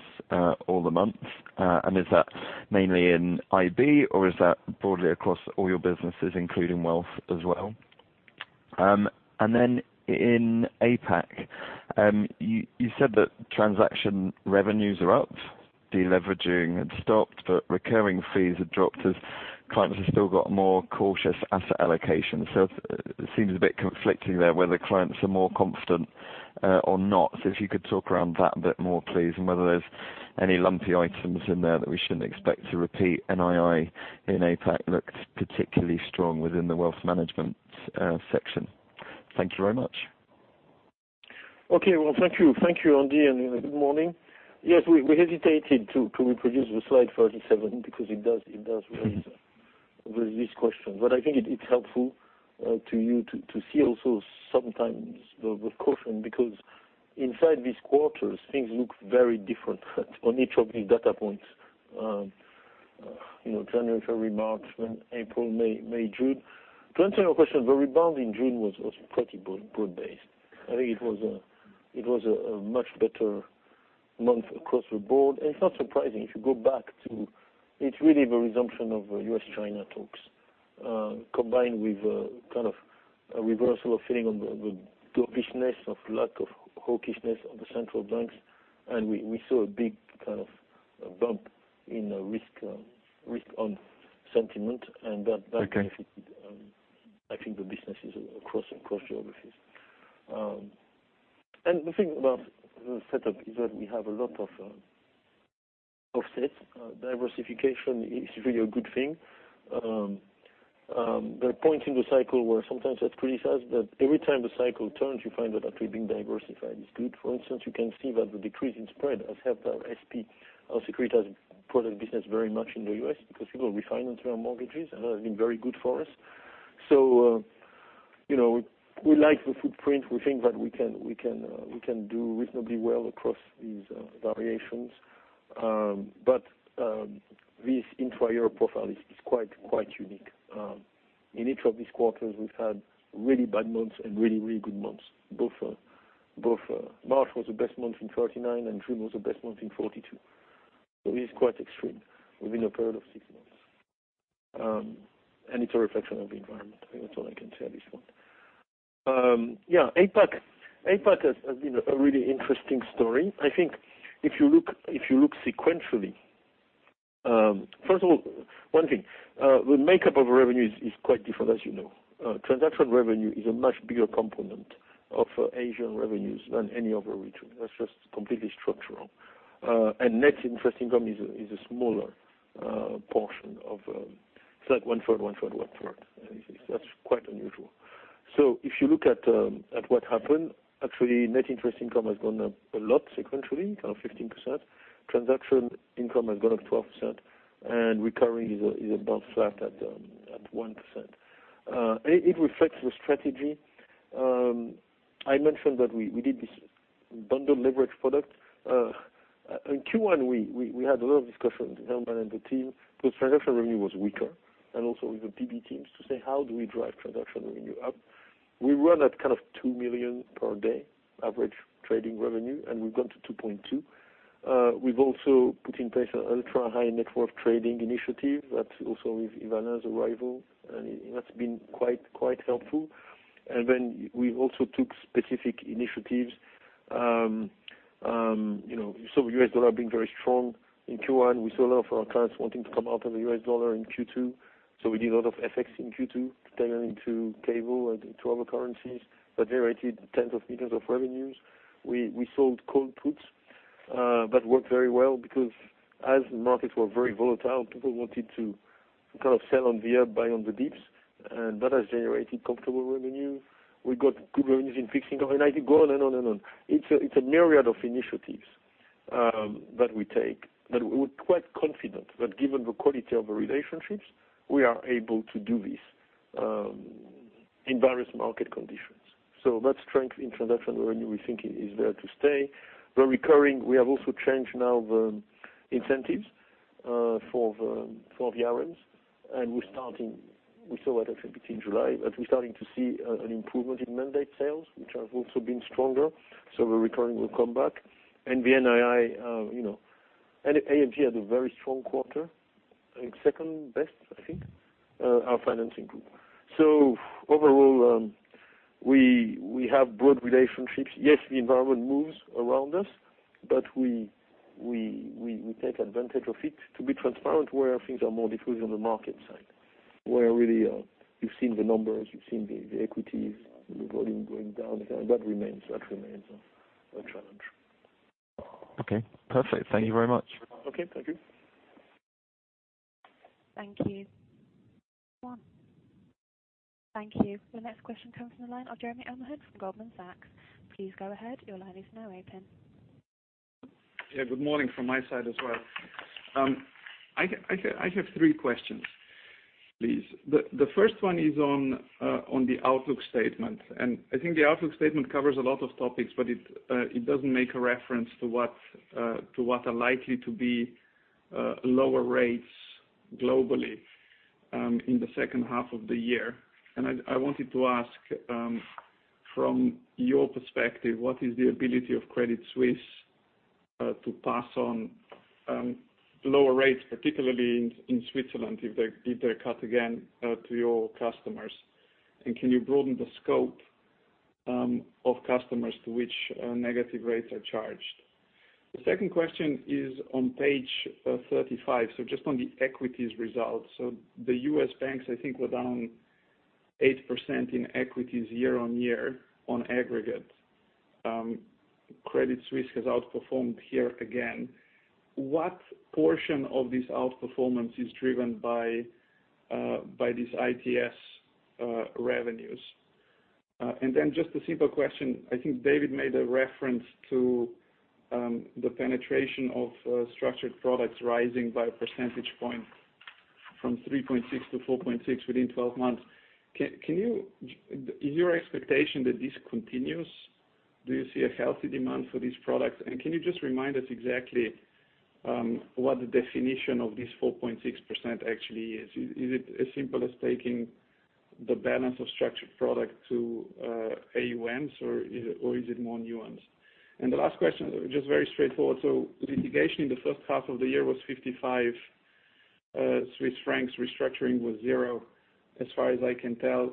all the months? Is that mainly in IB or is that broadly across all your businesses, including wealth as well? Then in APAC, you said that transaction revenues are up, deleveraging had stopped, but recurring fees had dropped as clients have still got more cautious asset allocation. It seems a bit conflicting there, whether clients are more confident or not. If you could talk around that a bit more, please, and whether there's any lumpy items in there that we shouldn't expect to repeat. NII in APAC looked particularly strong within the wealth management section. Thank you very much. Okay. Well, thank you, Andy, and good morning. Yes, we hesitated to reproduce the slide 37 because it does raise this question. I think it's helpful to you to see also sometimes the caution, because inside these quarters, things look very different on each of these data points. January, February, March, April, May, June. To answer your question, the rebound in June was pretty broad-based. It's not surprising. If you go back, it's really the resumption of U.S.-China talks, combined with a kind of a reversal of feeling on the dovishness, of lack of hawkishness of the central banks. We saw a big kind of a bump in the risk on sentiment. That benefited, I think, the businesses across geographies. The thing about the setup is that we have a lot of offsets. Diversification is really a good thing. The point in the cycle where sometimes that's criticized, but every time the cycle turns, you find that actually being diversified is good. For instance, you can see that the decrease in spread has helped our SP, our securitized product business very much in the U.S. because people refinance their mortgages, and that has been very good for us. We like the footprint. We think that we can do reasonably well across these variations. This intra-year profile is quite unique. In each of these quarters, we've had really bad months and really good months. Both March was the best month in 39, and June was the best month in 42. It is quite extreme within a period of six months. It's a reflection of the environment. I think that's all I can say on this one. APAC has been a really interesting story. I think if you look sequentially. First of all, one thing. The makeup of revenue is quite different as you know. Transaction revenue is a much bigger component of Asian revenues than any other region. That's just completely structural. Net interest income is a smaller portion. It's like 1/3. That's quite unusual. If you look at what happened, actually, net interest income has gone up a lot sequentially, 15%. Transaction income has gone up 12%, and recurring is about flat at 1%. It reflects the strategy. I mentioned that we did this bundled leverage product. In Q1, we had a lot of discussions, Helman and the team, because transaction revenue was weaker, and also with the PB teams, to say: How do we drive transaction revenue up? We run at kind of 2 million per day average trading revenue, and we've gone to 2.2 million. We've also put in place an ultra-high net worth trading initiative that also with Ivana's arrival, and that's been quite helpful. We also took specific initiatives. We saw the US dollar being very strong in Q1. We saw a lot of our clients wanting to come out of the US dollar in Q2. We did a lot of FX in Q2, 10 into cable and 12 currencies. That generated tens of millions of CHF in revenues. We sold call puts that worked very well because as markets were very volatile, people wanted to kind of sell on the up, buy on the dips, that has generated comfortable revenue. We got good revenues in fixing. I could go on and on and on. It's a myriad of initiatives that we take that we're quite confident that given the quality of the relationships, we are able to do this in various market conditions. That strength in transaction revenue we think is there to stay. The recurring, we have also changed now the incentives for the RMs. We saw that, I think, between July, that we're starting to see an improvement in mandate sales, which have also been stronger. The recurring will come back. The NII, AMG had a very strong quarter. Second best, I think, our financing group. Overall, we have broad relationships. Yes, the environment moves around us, but we take advantage of it to be transparent where things are more difficult on the market side, where really you've seen the numbers, you've seen the equities, the volume going down. That remains a challenge. Okay. Perfect. Thank you very much. Okay. Thank you. Thank you. Go on. Thank you. The next question comes from the line of Jeremy O'Mahony from Goldman Sachs. Please go ahead. Your line is now open. Yeah. Good morning from my side as well. I have three questions, please. The first one is on the outlook statement. I think the outlook statement covers a lot of topics, but it doesn't make a reference to what are likely to be lower rates globally in the second half of the year. I wanted to ask, from your perspective, what is the ability of Credit Suisse to pass on lower rates, particularly in Switzerland, if they cut again to your customers. Can you broaden the scope of customers to which negative rates are charged? The second question is on page 35, so just on the equities results. The U.S. banks were down 8% in equities year-on-year on aggregate. Credit Suisse has outperformed here again. What portion of this outperformance is driven by these ITS revenues? Just a simple question, I think David made a reference to the penetration of structured products rising by a percentage point from 3.6% to 4.6% within 12 months. Is your expectation that this continues? Do you see a healthy demand for these products? Can you just remind us exactly what the definition of this 4.6% actually is? Is it as simple as taking the balance of structured product to AUMs, or is it more nuanced? The last question, just very straightforward. Litigation in the first half of the year was 55 Swiss francs, restructuring was zero, as far as I can tell.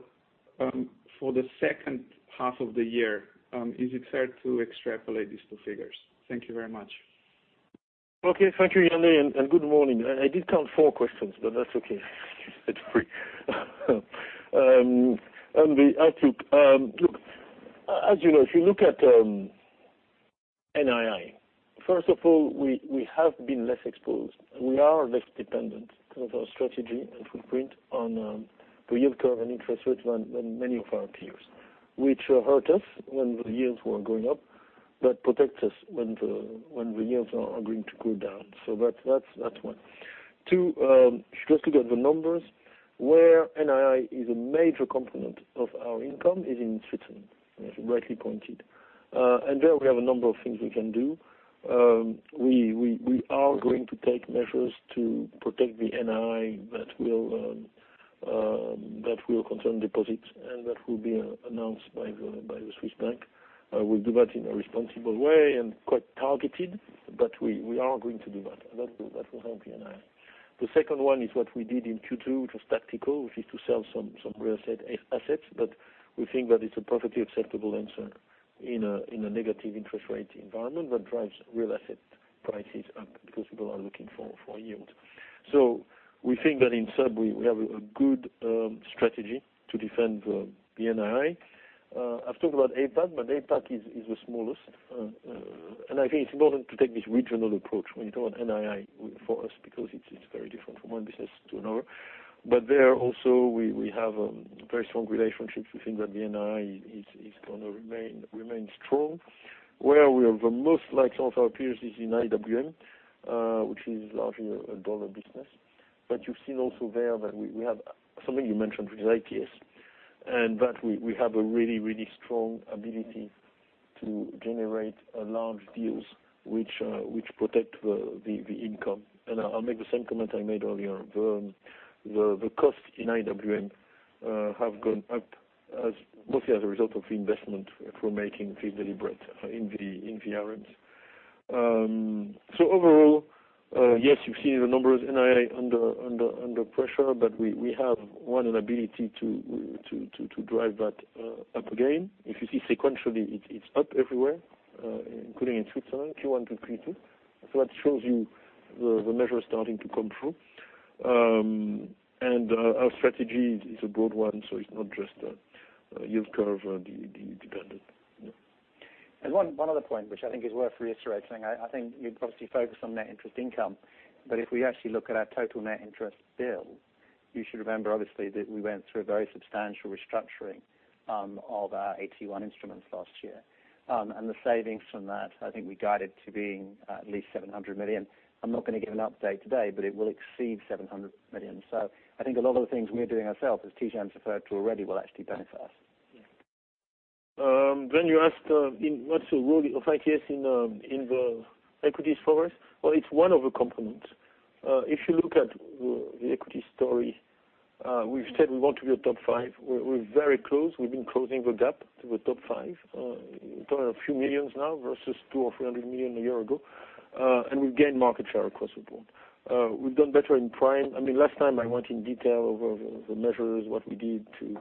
For the second half of the year, is it fair to extrapolate these two figures? Thank you very much. Okay. Thank you, Jeremy, and good morning. I did count four questions, but that's okay. It's free. On the outlook, look, as you know, if you look at NII, first of all, we have been less exposed. We are less dependent because of our strategy and footprint on the yield curve and interest rates than many of our peers, which hurt us when the yields were going up, but protects us when the yields are going to go down. That's one. Two, just look at the numbers, where NII is a major component of our income is in Switzerland, as you rightly pointed. There we have a number of things we can do. We are going to take measures to protect the NII that will concern deposits, and that will be announced by the Swiss Bank. We'll do that in a responsible way and quite targeted, but we are going to do that. That will help the NII. The second one is what we did in Q2, which was tactical, which is to sell some real assets, but we think that it's a perfectly acceptable answer in a negative interest rate environment that drives real asset prices up because people are looking for yield. We think that in SUB, we have a good strategy to defend the NII. I've talked about APAC, but APAC is the smallest. I think it's important to take this regional approach when you talk NII for us, because it's very different from one business to another. There also, we have very strong relationships. We think that the NII is going to remain strong. Where we are the most like some of our peers is in IWM, which is largely a dollar business. You've seen also there that we have something you mentioned, which is ITS, and that we have a really strong ability to generate large deals which protect the income. I'll make the same comment I made earlier. The costs in IWM have gone up mostly as a result of the investment we're making deliberately in the RMs. Overall, yes, you've seen the numbers, NII under pressure, but we have, one, an ability to drive that up again. If you see sequentially, it's up everywhere, including in Switzerland, Q1 to Q2. That shows you the measures starting to come through. Our strategy is a broad one, so it's not just a yield curve dependent. One other point which I think is worth reiterating, I think you've obviously focused on net interest income, but if we actually look at our total net interest bill, you should remember, obviously, that we went through a very substantial restructuring of our AT1 instruments last year. The savings from that, I think we guided to being at least 700 million. I'm not going to give an update today, but it will exceed 700 million. I think a lot of the things we are doing ourselves, as Tidjane referred to already, will actually benefit us. You asked, what's the role of ITS in the equities for us? Well, it's one of the components. If you look at the equity story, we've said we want to be a top five. We're very close. We've been closing the gap to the top five. We're talking a few millions now versus two or 300 million a year ago. We've gained market share across the board. We've done better in prime. Last time I went in detail over the measures, what we did to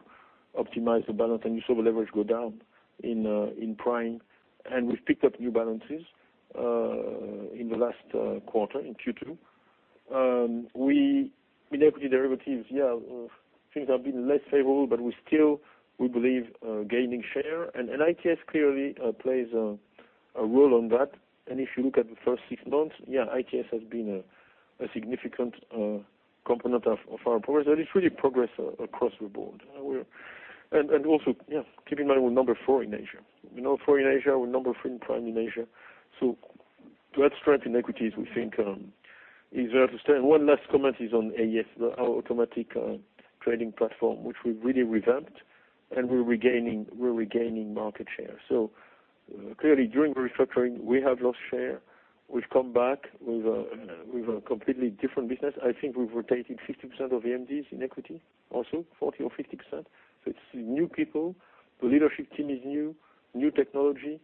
optimize the balance, and you saw the leverage go down in prime, and we've picked up new balances in the last quarter, in Q2. In equity derivatives, things have been less favorable, but we still, we believe, gaining share, and ITS clearly plays a role in that. If you look at the first six months, ITS has been a significant component of our progress, but it's really progress across the board. Also, keep in mind, we're number four in Asia. We're number four in Asia. We're number three in prime in Asia. To add strength in equities, we think is there to stay. One last comment is on AES, our electronic trading platform, which we've really revamped, and we're regaining market share. Clearly, during the restructuring, we have lost share. We've come back with a completely different business. I think we've rotated 50% of MDs in equity also, 40% or 50%. It's new people, the leadership team is new technology.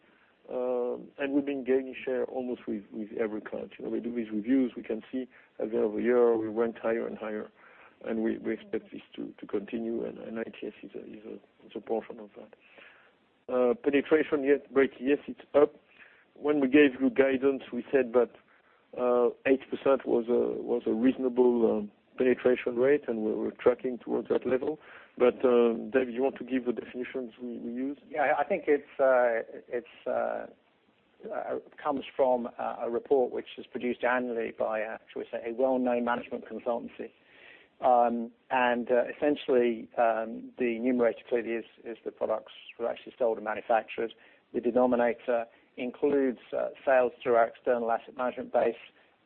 We've been gaining share almost with every client. We do these reviews, we can see as of a year, we went higher and higher, and ITS is a portion of that. Penetration rate, yes, it's up. When we gave you guidance, we said that 8% was a reasonable penetration rate, and we're tracking towards that level. Dave, you want to give the definitions we use? Yeah, I think it comes from a report which is produced annually by, shall we say, a well-known management consultancy. Essentially, the numerator clearly is the products which are actually sold and manufactured. The denominator includes sales through our external asset management base,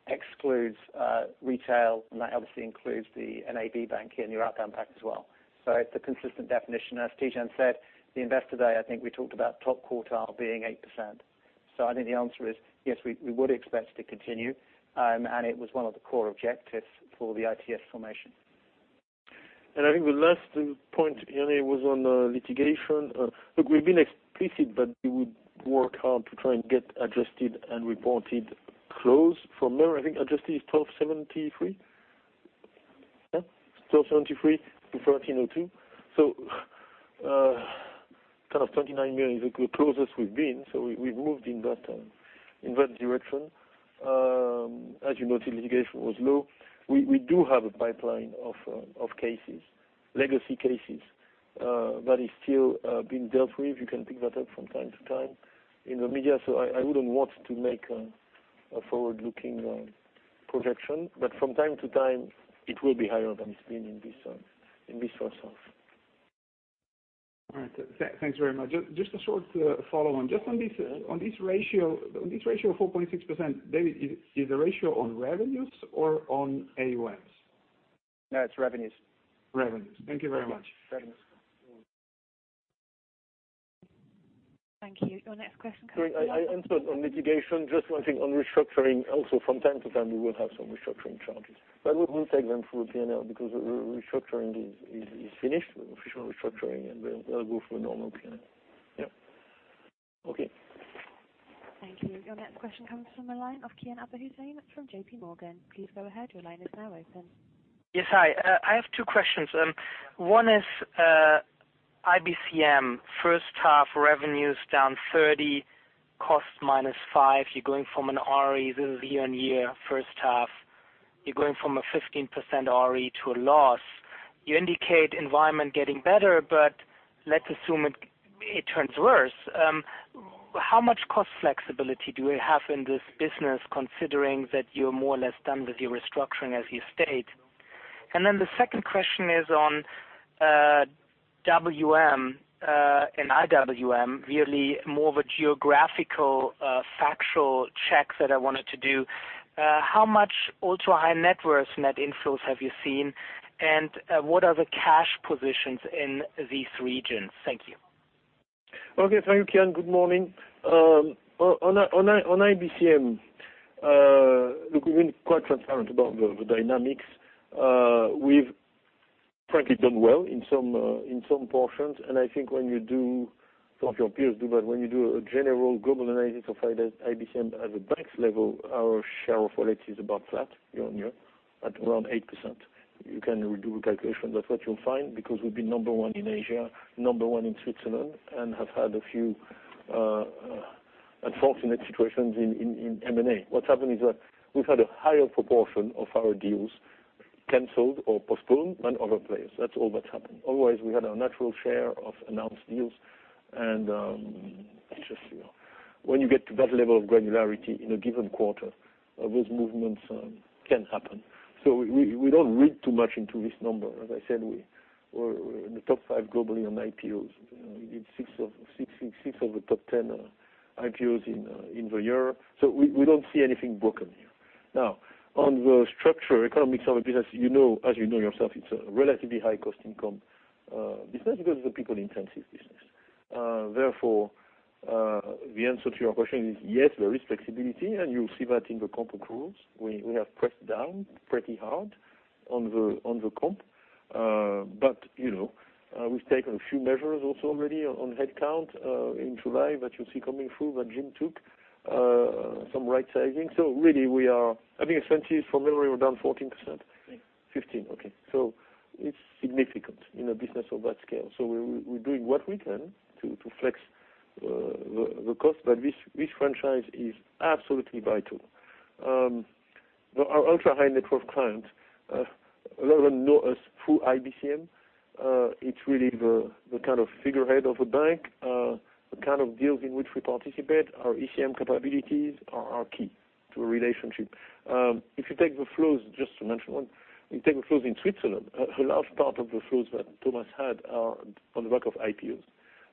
excludes retail, and that obviously includes the NAB bank in Europe and APAC as well. It's a consistent definition. As Tidjane said, the Investor Day, I think we talked about top quartile being 8%. I think the answer is, yes, we would expect it to continue. It was one of the core objectives for the ITS formation. I think the last point, Yannick, was on litigation. Look, we've been explicit that we would work hard to try and get adjusted and reported close. From memory, I think adjusted is 1,273 to 1,402. 1,029 million is the closest we've been, so we've moved in that direction. As you noted, litigation was low. We do have a pipeline of cases, legacy cases, that is still being dealt with. You can pick that up from time to time in the media. I wouldn't want to make a forward-looking projection. From time to time, it will be higher than it's been in this first half. All right. Thanks very much. Just a short follow-on. Just on this ratio, 4.6%, David, is the ratio on revenues or on AUMs? No, it's revenues. Revenues. Thank you very much. Revenues. Thank you. Sorry, I answered on litigation. Just one thing on restructuring. From time to time, we will have some restructuring charges. We won't take them through P&L because the restructuring is finished with official restructuring, and they'll go through a normal P&L. Thank you. Your next question comes from the line of Kian Abouhossein from JPMorgan. Please go ahead. Your line is now open. Yes, hi. I have two questions. One is IBCM. First half revenues down 30, cost -5. This is year-on-year, first half. You're going from a 15% RE to a loss. You indicate environment getting better, but let's assume it turns worse. How much cost flexibility do we have in this business, considering that you're more or less done with your restructuring, as you've stated? The second question is on WM and IWM, really more of a geographical factual check that I wanted to do. How much ultra-high net worth net inflows have you seen, and what are the cash positions in these regions? Thank you. Thank you, Kian. Good morning. IBCM, look, we've been quite transparent about the dynamics. We've frankly done well in some portions, and I think when you do Some of your peers do that. When you do a general global analysis of IBCM at a banks level, our share of wallet is about flat year-on-year at around 8%. You can do a calculation. That's what you'll find, because we've been number one in Asia, number one in Switzerland, and have had a few unfortunate situations in M&A. What's happened is that we've had a higher proportion of our deals canceled or postponed than other players. That's all that's happened. We had our natural share of announced deals, and it's just when you get to that level of granularity in a given quarter, those movements can happen. We don't read too much into this number. As I said, we're in the top five globally on IPOs. We did six of the top 10 IPOs in the year. We don't see anything broken here. On the structure economics of a business, as you know yourself, it's a relatively high-cost income business because it's a people-intensive business. Therefore, the answer to your question is yes, there is flexibility, and you see that in the comp accruals. We have pressed down pretty hard on the comp. We've taken a few measures also already on headcount in July that you see coming through, that Jim took some right-sizing. Really, I think 20, from memory, we're down 14%. 15%, okay. It's significant in a business of that scale. We're doing what we can to flex the cost, but this franchise is absolutely vital. Our ultra-high net worth clients, a lot of them know us through IBCM. It's really the kind of figurehead of the bank, the kind of deals in which we participate. Our ECM capabilities are our key to a relationship. If you take the flows, just to mention one, you take the flows in Switzerland, a large part of the flows that Thomas had are on the back of IPOs.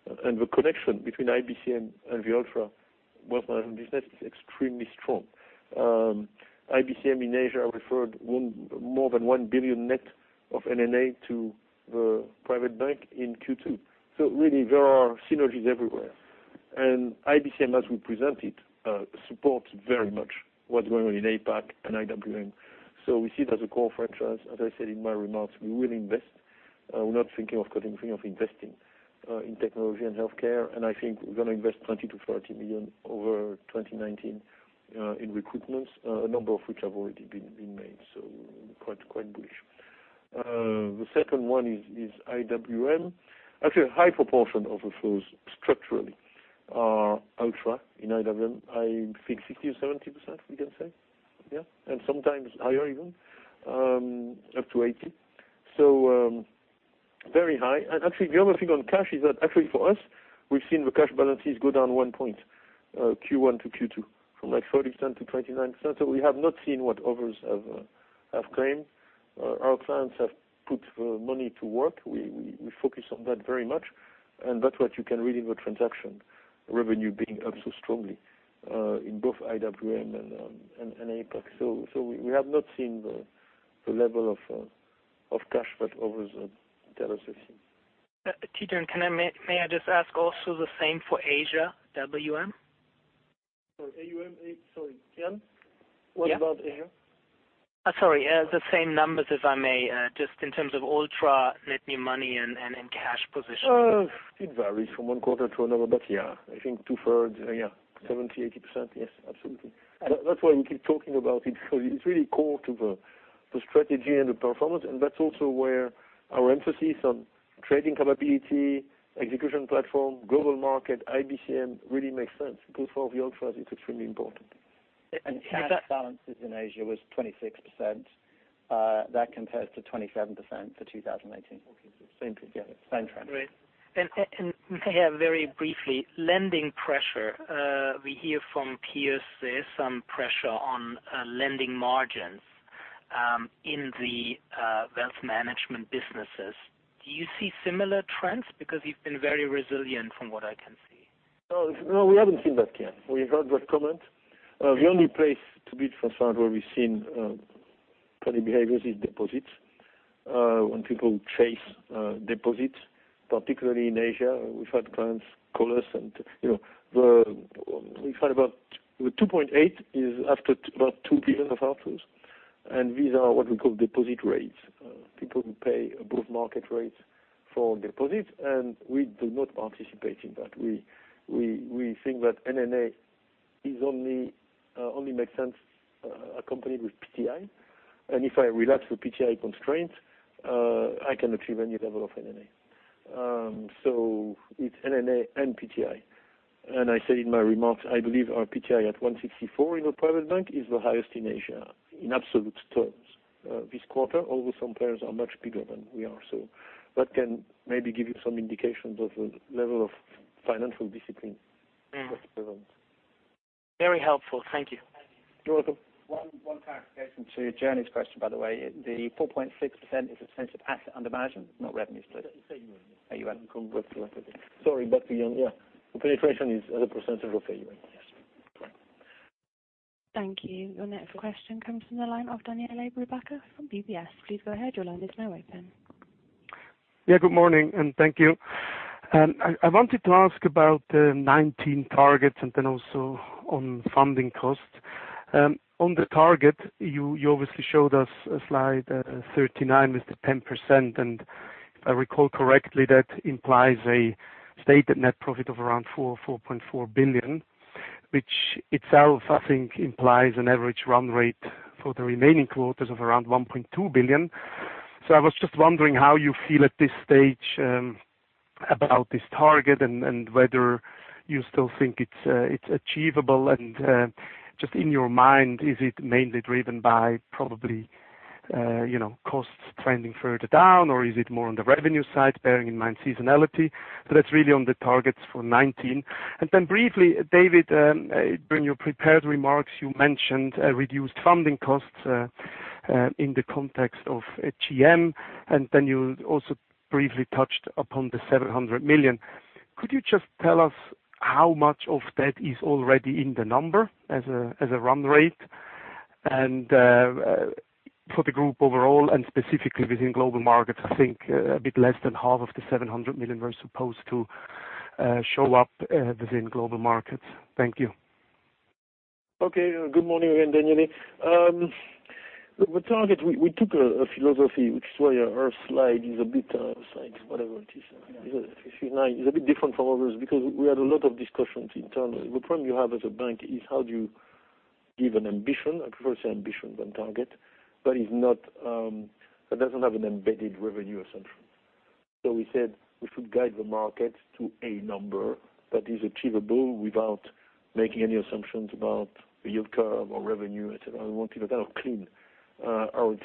The connection between IBCM and the ultra-wealth management business is extremely strong. IBCM in Asia referred more than 1 billion net of NNA to the private bank in Q2. Really, there are synergies everywhere. IBCM, as we present it, supports very much what's going on in APAC and IWM. We see it as a core franchise. As I said in my remarks, we're not thinking of cutting, we're thinking of investing in technology and healthcare, and I think we're going to invest 20 million-40 million over 2019 in recruitments. A number of which have already been made, quite bullish. The second one is IWM. Actually, a high proportion of outflows structurally are ultra in IWM. I think 60% or 70%, we can say. Yeah. Sometimes higher even, up to 80. Very high. Actually, the other thing on cash is that actually for us, we've seen the cash balances go down 1 point, Q1 to Q2, from like 30% to 29%. We have not seen what others have claimed. Our clients have put money to work. We focus on that very much, and that's what you can read in the transaction, revenue being up so strongly, in both IWM and APAC. We have not seen the level of cash that others tell us they've seen. Tidjane, may I just ask also the same for Asia WM? Sorry, AUM? Sorry, Kian, what about Asia? Sorry, the same numbers if I may, just in terms of ultra net new money and cash position. It varies from one quarter to another. I think 2/3. 70%, 80%. Yes, absolutely. That's why we keep talking about it, because it's really core to the strategy and the performance, and that's also where our emphasis on trading capability, execution platform, Global Markets, IBCM really makes sense, because for the ultras it's extremely important. Cash balances in Asia was 26%. That compares to 27% for 2018. Same trend. Great. May I very briefly, lending pressure, we hear from peers there's some pressure on lending margins, in the wealth management businesses. Do you see similar trends? Because you've been very resilient from what I can see. No, we haven't seen that, Jan. We've heard that comment. The only place to date for us where we've seen funny behaviors is deposits. When people chase deposits, particularly in Asia, we've had clients call us and we found about the 2.8 is after about 2 billion of outflows. These are what we call deposit rates. People who pay above-market rates for deposits, we do not participate in that. We think that NNA only makes sense accompanied with PTI. If I relax the PTI constraints, I can achieve any level of NNA. It's NNA and PTI. I said in my remarks, I believe our PTI at 164 in the private bank is the highest in Asia in absolute terms this quarter, although some players are much bigger than we are. That can maybe give you some indications of the level of financial discipline that prevails. Very helpful. Thank you. You're welcome. One clarification to Kian's question, by the way, the 4.6% is a sense of asset under management, not revenue split. For AUM, yes. AUM. Sorry, back to Kian. The penetration is as a percentage of AUM. Yes. Thank you. Your next question comes from the line of Daniele Brupbacher from UBS. Please go ahead. Your line is now open. Good morning, thank you. I wanted to ask about the 2019 targets also on funding costs. On the target, you obviously showed us a slide 39 with the 10%, if I recall correctly, that implies a stated net profit of around 4.4 billion, which itself implies an average run rate for the remaining quarters of around 1.2 billion. I was just wondering how you feel at this stage about this target whether you still think it's achievable just in your mind, is it mainly driven by probably costs trending further down, or is it more on the revenue side, bearing in mind seasonality? That's really on the targets for 2019. Briefly, David, in your prepared remarks, you mentioned reduced funding costs in the context of AMG, you also briefly touched upon the 700 million. Could you just tell us how much of that is already in the number as a run rate? For the group overall and specifically within Global Markets, I think a bit less than half of the 700 million were supposed to show up within Global Markets. Thank you. Okay. Good morning again, Daniele. The target, we took a philosophy, which is why our slide is a bit, I would say, whatever it is, 59, is a bit different from others because we had a lot of discussions internally. The problem you have as a bank is how do you give an ambition, I prefer to say ambition than target, that doesn't have an embedded revenue assumption. We said we should guide the market to a number that is achievable without making any assumptions about the yield curve or revenue, et cetera. We want to keep a clean ROT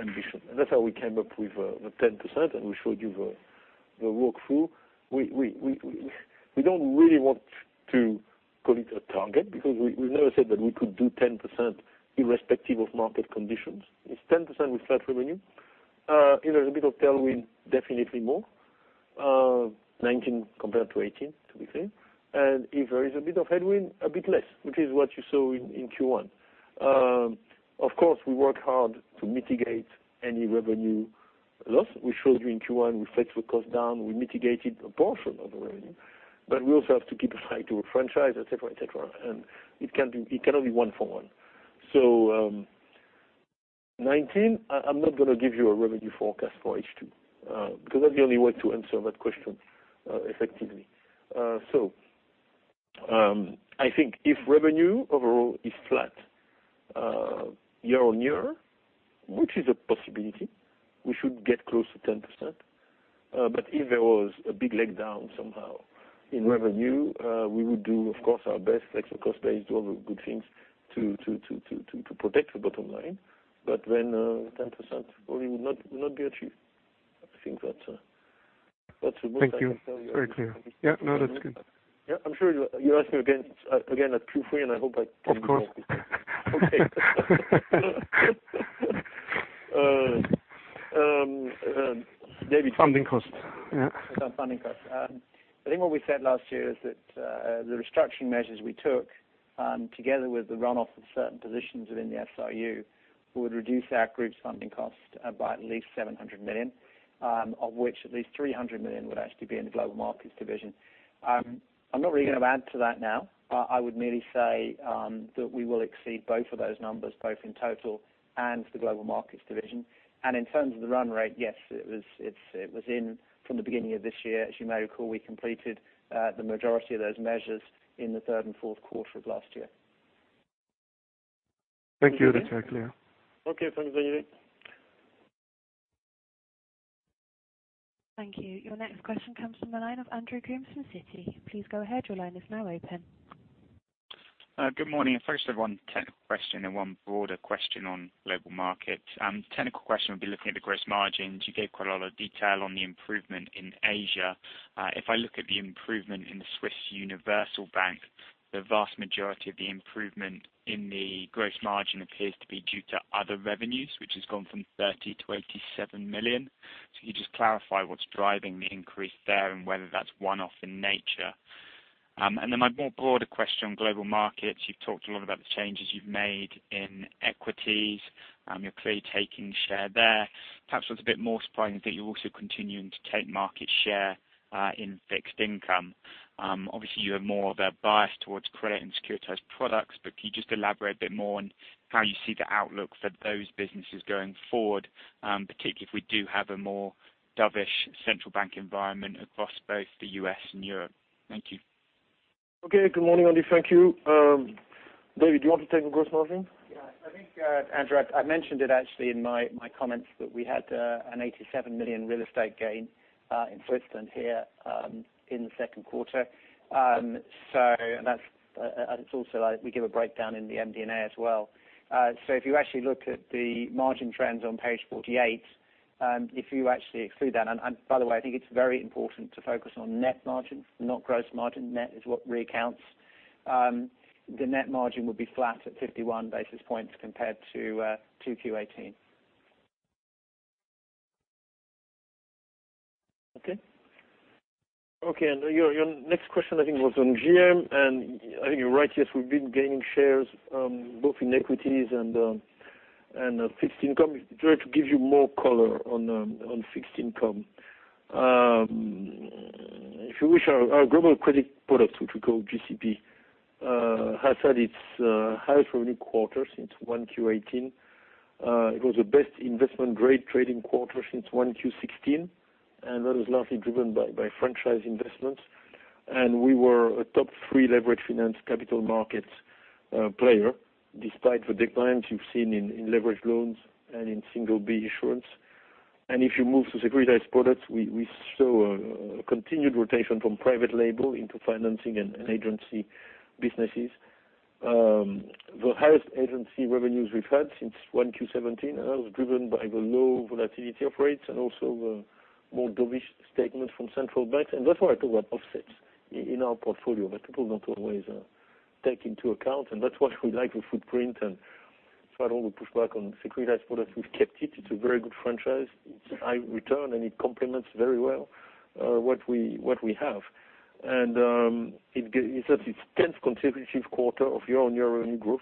ambition. That's how we came up with the 10%, and we showed you the walk-through. We don't really want to commit a target because we never said that we could do 10% irrespective of market conditions. It's 10% with flat revenue. If there's a bit of tailwind, definitely more, 2019 compared to 2018, to be clear. If there is a bit of headwind, a bit less, which is what you saw in Q1. Of course, we work hard to mitigate any revenue loss. We showed you in Q1, we flat the cost down. We mitigated a portion of the revenue, but we also have to keep aside to a franchise, et cetera. It cannot be one for one. So 2019, I'm not going to give you a revenue forecast for H2 because that's the only way to answer that question effectively. I think if revenue overall is flat year-on-year, which is a possibility, we should get close to 10%. If there was a big leg down somehow in revenue, we would do, of course, our best flexible cost base, do all the good things to protect the bottom line. 10% probably will not be achieved. I think that's the most I can tell you. Thank you. Very clear. Yeah, no, that's good. Yeah. I'm sure you'll ask me again at Q3, and I hope I can give you. Funding costs. I think what we said last year is that the restructuring measures we took, together with the runoff of certain positions within the SRU, would reduce our group's funding cost by at least 700 million, of which at least 300 million would actually be in the Global Markets division. I'm not really going to add to that now. I would merely say that we will exceed both of those numbers, both in total and the Global Markets division. In terms of the run rate, yes, it was in from the beginning of this year. As you may recall, we completed the majority of those measures in the third and fourth quarter of last year. Thank you. That's clear. Okay, thanks David. Thank you. Your next question comes from the line of Andrew Coombs from Citi. Please go ahead. Your line is now open. Good morning. First, I have one technical question and one broader question on Global Markets. Technical question will be looking at the gross margins. You gave quite a lot of detail on the improvement in Asia. If I look at the improvement in the Swiss Universal Bank, the vast majority of the improvement in the gross margin appears to be due to other revenues, which has gone from 30 to 87 million. Can you just clarify what's driving the increase there and whether that's one-off in nature? My more broader question on Global Markets, you've talked a lot about the changes you've made in equities. You're clearly taking share there. Perhaps what's a bit more surprising is that you're also continuing to take market share in fixed income. Obviously, you have more of a bias towards credit and securitized products. Can you just elaborate a bit more on how you see the outlook for those businesses going forward, particularly if we do have a more dovish central bank environment across both the U.S. and Europe? Thank you. Okay. Good morning, Andy. Thank you. David, do you want to take the gross margin? I think, Andrew, I mentioned it actually in my comments that we had a 87 million real estate gain in Switzerland here in the second quarter. We give a breakdown in the MD&A as well. If you actually look at the margin trends on page 48, if you actually exclude that, and by the way, I think it's very important to focus on net margin, not gross margin. Net is what really counts. The net margin would be flat at 51 basis points compared to 2Q18. Okay. Okay, your next question, I think, was on GM, I think you're right. Yes, we've been gaining shares both in equities and fixed income. I'll try to give you more color on fixed income. If you wish, our Global Credit Products, which we call GCP, has had its highest revenue quarter since 1Q18. It was the best investment-grade trading quarter since 1Q16, that was largely driven by franchise investments. We were a top-three leveraged finance capital markets player, despite the declines you've seen in leverage loans and in single B issuance. If you move to securitized products, we saw a continued rotation from private label into financing and agency businesses. The highest agency revenues we've had since 1Q17, that was driven by the low volatility of rates and also more dovish statements from central banks. That's why I talk about offsets in our portfolio that people don't always take into account. That's why we like the footprint. That's why I don't want to push back on securitized products. We've kept it. It's a very good franchise. It's high return, and it complements very well what we have. It's at its 10th consecutive quarter of year-on-year revenue growth,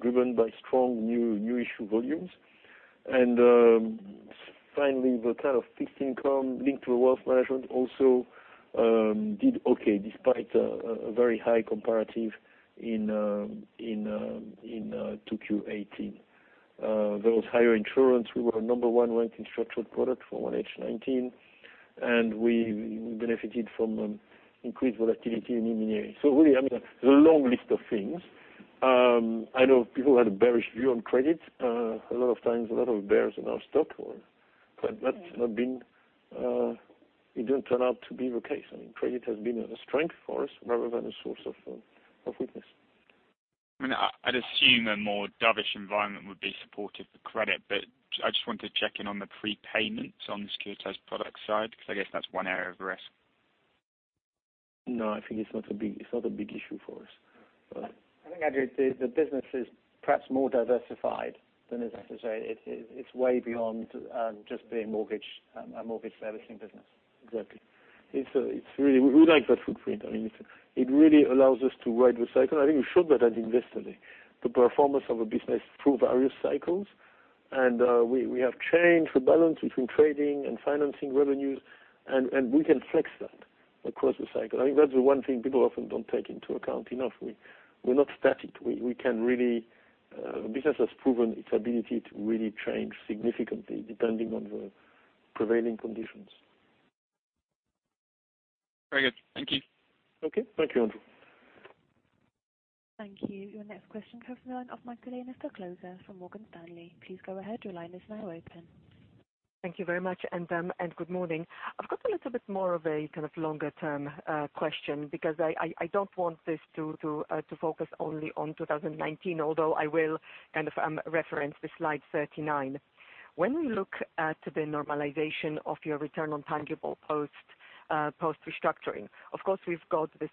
driven by strong new issue volumes. Finally, the kind of fixed income linked to the wealth management also did okay despite a very high comparative in 2Q18. There was higher insurance. We were number 1 rank in structured product for 1H19. We benefited from increased volatility in M&A. Really, there's a long list of things. I know people had a bearish view on credit. A lot of times, a lot of bears in our stock, but it didn't turn out to be the case. Credit has been a strength for us rather than a source of weakness. I'd assume a more dovish environment would be supportive for credit, but I just want to check in on the prepayments on the securitized product side, because I guess that's one area of risk. No, I think it's not a big issue for us. I think, Andrew, the business is perhaps more diversified than is necessary. It's way beyond just being a mortgage servicing business. Exactly. We like that footprint. It really allows us to ride the cycle. I think we showed that, I think, yesterday. The performance of a business through various cycles. We have changed the balance between trading and financing revenues, and we can flex that across the cycle. I think that's the one thing people often don't take into account enough. We're not static. The business has proven its ability to really change significantly depending on the prevailing conditions. Very good. Thank you. Okay. Thank you, Andrew. Thank you. Your next question comes now from Magdalena Stoklosa of Morgan Stanley. Please go ahead. Your line is now open. Thank you very much and good morning. I've got a little bit more of a kind of longer-term question because I don't want this to focus only on 2019, although I will kind of reference the slide 39. When we look at the normalization of your return on tangible post-restructuring, of course, we've got this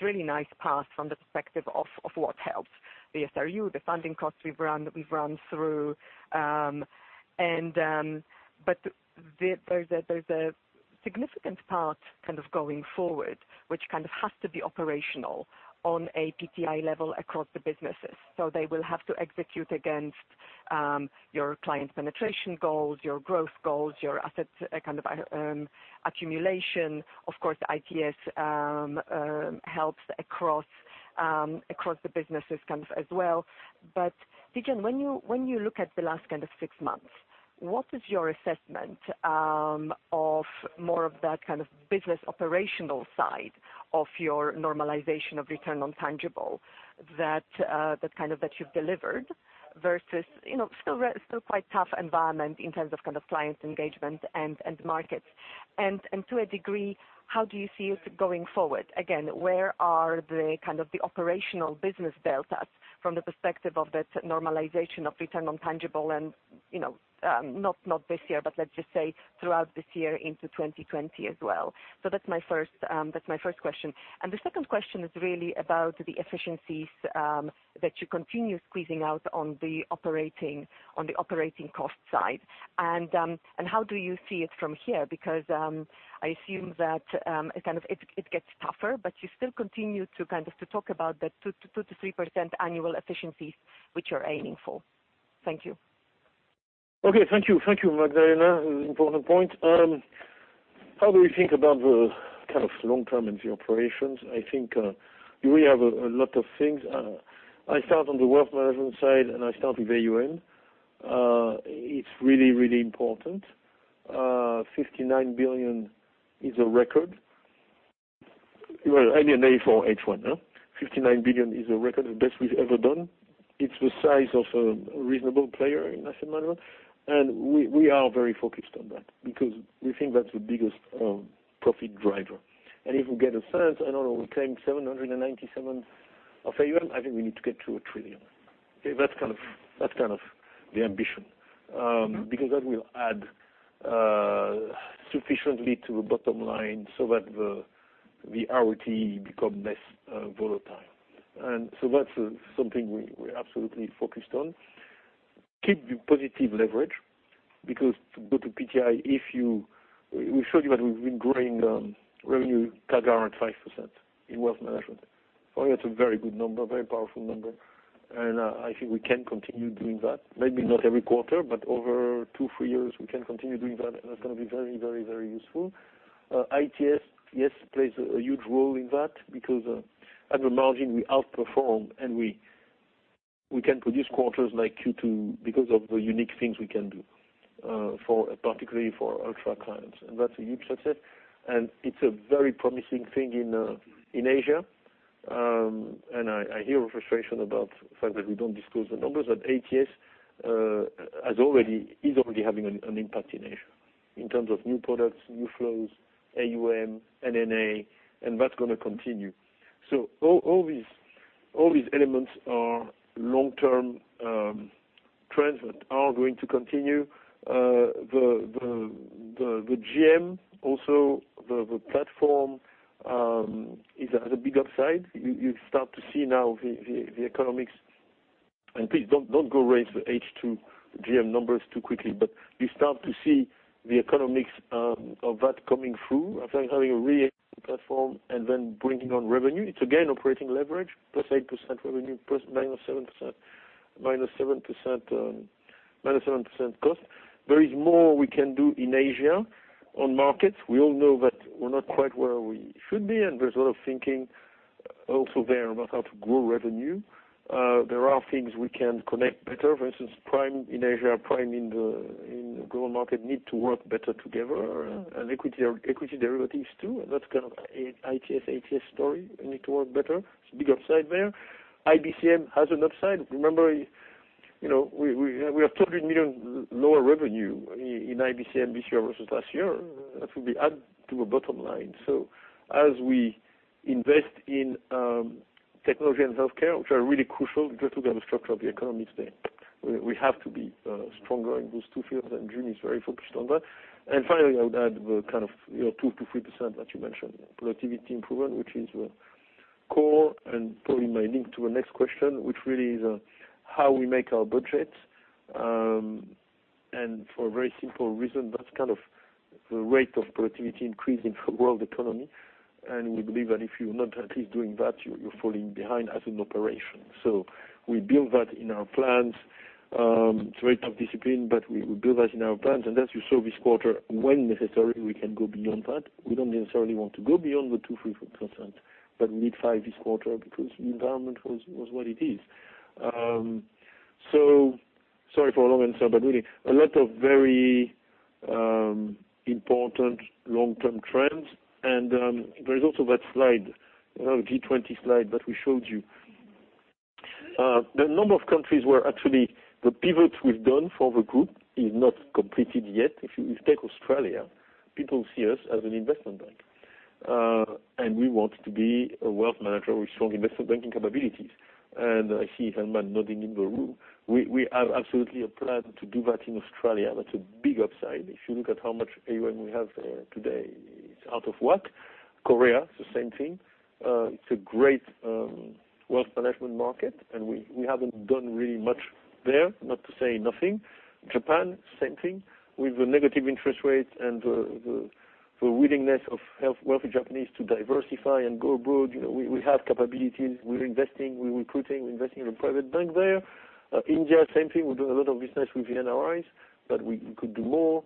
really nice path from the perspective of what helps. The SRU, the funding costs we've run through, there's a significant part kind of going forward, which kind of has to be operational on a PTI level across the businesses. They will have to execute against your client penetration goals, your growth goals, your assets accumulation. Of course, ITS helps across the businesses as well. Tidjane, when you look at the last kind of six months, what is your assessment of more of that kind of business operational side of your normalization of return on tangible that you've delivered versus still quite tough environment in terms of kind of clients engagement and markets. To a degree, how do you see it going forward? Again, where are the kind of the operational business deltas from the perspective of that normalization of return on tangible and, not this year, but let's just say throughout this year into 2020 as well. That's my first question. The second question is really about the efficiencies that you continue squeezing out on the operating cost side. How do you see it from here? I assume that it gets tougher, but you still continue to talk about that 2% to 3% annual efficiencies which you're aiming for. Thank you. Okay. Thank you, Magdalena. Important point. How do we think about the kind of long-term into operations? I think, we have a lot of things. I start on the Wealth Management side, and I start with AUM. It's really important. 59 billion is a record. Well, I mean, A for H1. 59 billion is a record, the best we've ever done. It's the size of a reasonable player in asset management, and we are very focused on that because we think that's the biggest profit driver. If we get a sense, I don't know, we claim 797 of AUM, I think we need to get to 1 trillion. That's kind of the ambition. Because that will add sufficiently to the bottom line so that the RoTE become less volatile. That's something we're absolutely focused on. Keep the positive leverage because to go to PTI, we showed you that we've been growing revenue CAGR at 5% in wealth management. For me, that's a very good number, very powerful number, and I think we can continue doing that. Maybe not every quarter, but over two, three years, we can continue doing that, and that's going to be very useful. ITS, yes, plays a huge role in that because at the margin we outperform, and we can produce quarters like Q2 because of the unique things we can do, particularly for ultra clients, and that's a huge success, and it's a very promising thing in Asia. I hear your frustration about the fact that we don't disclose the numbers, but ATS is already having an impact in Asia in terms of new products, new flows, AUM, NNA, and that's going to continue. All these elements are long-term trends that are going to continue. The GM, also, the platform, is at a big upside. You start to see now the economics and please don't go raise the H2 GM numbers too quickly, but you start to see the economics of that coming through. I think having a platform and then bringing on revenue, it's again operating leverage, +8% revenue, ±7% cost. There is more we can do in Asia on markets. We all know that we're not quite where we should be, and there's a lot of thinking also there about how to grow revenue. There are things we can connect better. For instance, Prime in Asia, Prime in the global market need to work better together, equity derivatives too. That's kind of ITS, ATS story, we need to work better. There's a big upside there. IBCM has an upside. Remember, we have 200 million lower revenue in IBCM this year versus last year. That will be added to a bottom line. As we invest in technology and healthcare, which are really crucial because look at the structure of the economy today, we have to be stronger in those two fields, and Jim is very focused on that. Finally, I would add the kind of 2%-3% that you mentioned, productivity improvement, which is core and probably my link to the next question, which really is how we make our budgets. For a very simple reason, that's kind of the rate of productivity increase in the world economy. We believe that if you're not at least doing that, you're falling behind as an operation. We build that in our plans. It's a rate of discipline, we build that in our plans. As you saw this quarter, when necessary, we can go beyond that. We don't necessarily want to go beyond the 2%, 3%, but we need 5% this quarter because the environment was what it is. Sorry for a long answer, but really, a lot of very important long-term trends, and there is also that G20 slide that we showed you. The number of countries where actually the pivot we've done for the group is not completed yet. If you take Australia, people see us as an investment bank. We want to be a wealth manager with strong investment banking capabilities. I see Salman nodding in the room. We have absolutely a plan to do that in Australia. That's a big upside. If you look at how much AUM we have there today, it's out of work. Korea, it's the same thing. It's a great wealth management market, and we haven't done really much there, not to say nothing. Japan, same thing. With the negative interest rate and the willingness of wealthy Japanese to diversify and go abroad, we have capabilities. We're investing, we're recruiting, we're investing in a private bank there. India, same thing. We do a lot of business with the NRIs, but we could do more.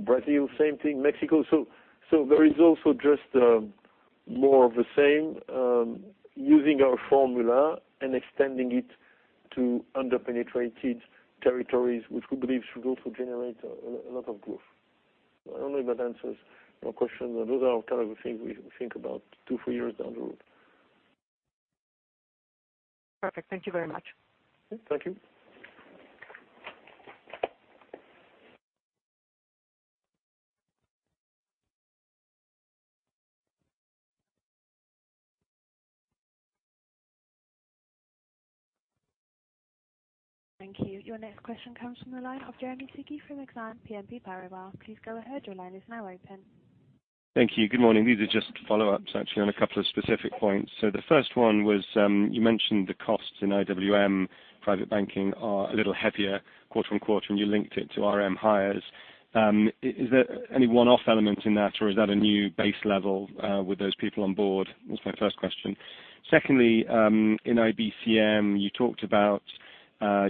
Brazil, same thing. Mexico. There is also just more of the same, using our formula and extending it to under-penetrated territories, which we believe should also generate a lot of growth. I don't know if that answers your question, but those are kind of the things we think about two, three years down the road. Perfect. Thank you very much. Thank you. Thank you. Your next question comes from the line of Jeremy Sigee from Exane BNP Paribas. Please go ahead, your line is now open. Thank you. Good morning. These are just follow-ups, actually, on a couple of specific points. The first one was, you mentioned the costs in IWM private banking are a little heavier quarter on quarter, and you linked it to RM hires. Is there any one-off element in that, or is that a new base level with those people on board? That's my first question. Secondly, in IBCM, you talked about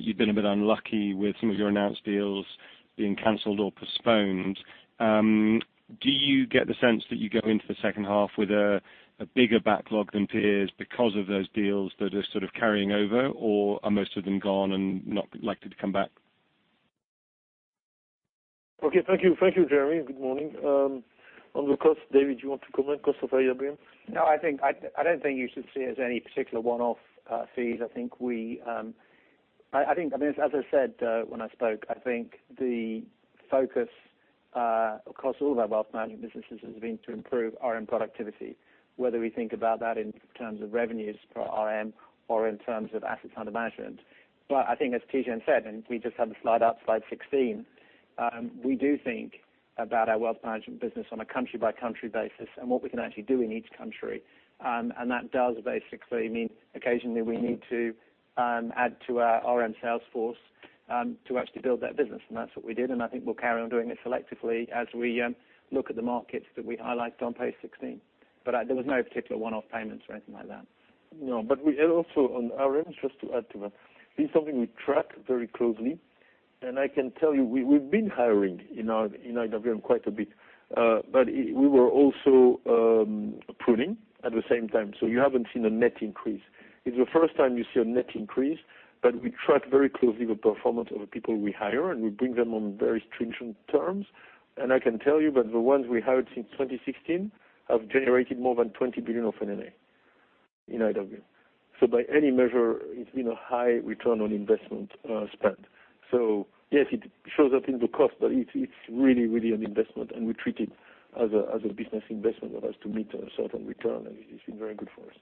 you've been a bit unlucky with some of your announced deals being canceled or postponed. Do you get the sense that you go into the second half with a bigger backlog than peers because of those deals that are sort of carrying over, or are most of them gone and not likely to come back? Okay, thank you, Jeremy. Good morning. On the cost, David, you want to comment, cost of IBCM? No, I don't think you should see it as any particular one-off fees. As I said when I spoke, I think the focus across all of our wealth management businesses has been to improve RM productivity, whether we think about that in terms of revenues per RM or in terms of assets under management. I think as Tidjane said, and we just had the slide up, slide 16, we do think about our wealth management business on a country-by-country basis and what we can actually do in each country. That does basically mean occasionally we need to add to our RM sales force to actually build that business, and that's what we did, and I think we'll carry on doing it selectively as we look at the markets that we highlighted on page 16. There was no particular one-off payments or anything like that. No, we also, on RMs, just to add to that, this is something we track very closely. I can tell you, we've been hiring in IWM quite a bit. We were also pruning at the same time, so you haven't seen a net increase. It's the first time you see a net increase. We track very closely the performance of the people we hire, and we bring them on very stringent terms. I can tell you that the ones we hired since 2016 have generated more than 20 billion of NNA in IWM. By any measure, it's been a high return on investment spent. Yes, it shows up in the cost, but it's really an investment, and we treat it as a business investment that has to meet a certain return, and it's been very good for us.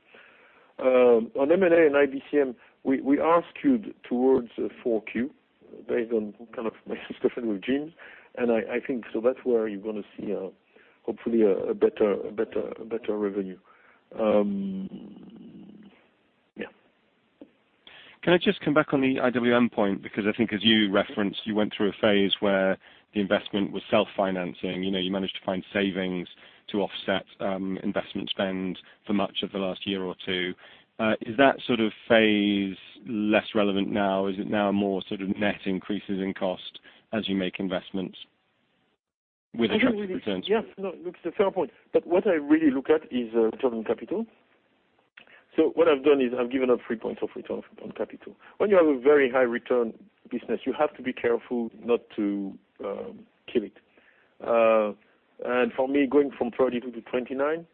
On M&A and IBCM, we are skewed towards 4Q based on kind of my discussion with James, and I think so that's where you're going to see, hopefully, a better revenue. Yeah. Can I just come back on the IWM point? Because I think as you referenced, you went through a phase where the investment was self-financing. You managed to find savings to offset investment spend for much of the last year or two. Is that sort of phase less relevant now? Is it now more sort of net increases in cost as you make investments with attractive returns? Yes. No, look, it's a fair point. What I really look at is return on capital. What I've done is I've given up three points of return on capital. When you have a very high return business, you have to be careful not to kill it. For me, going from 32 to 29,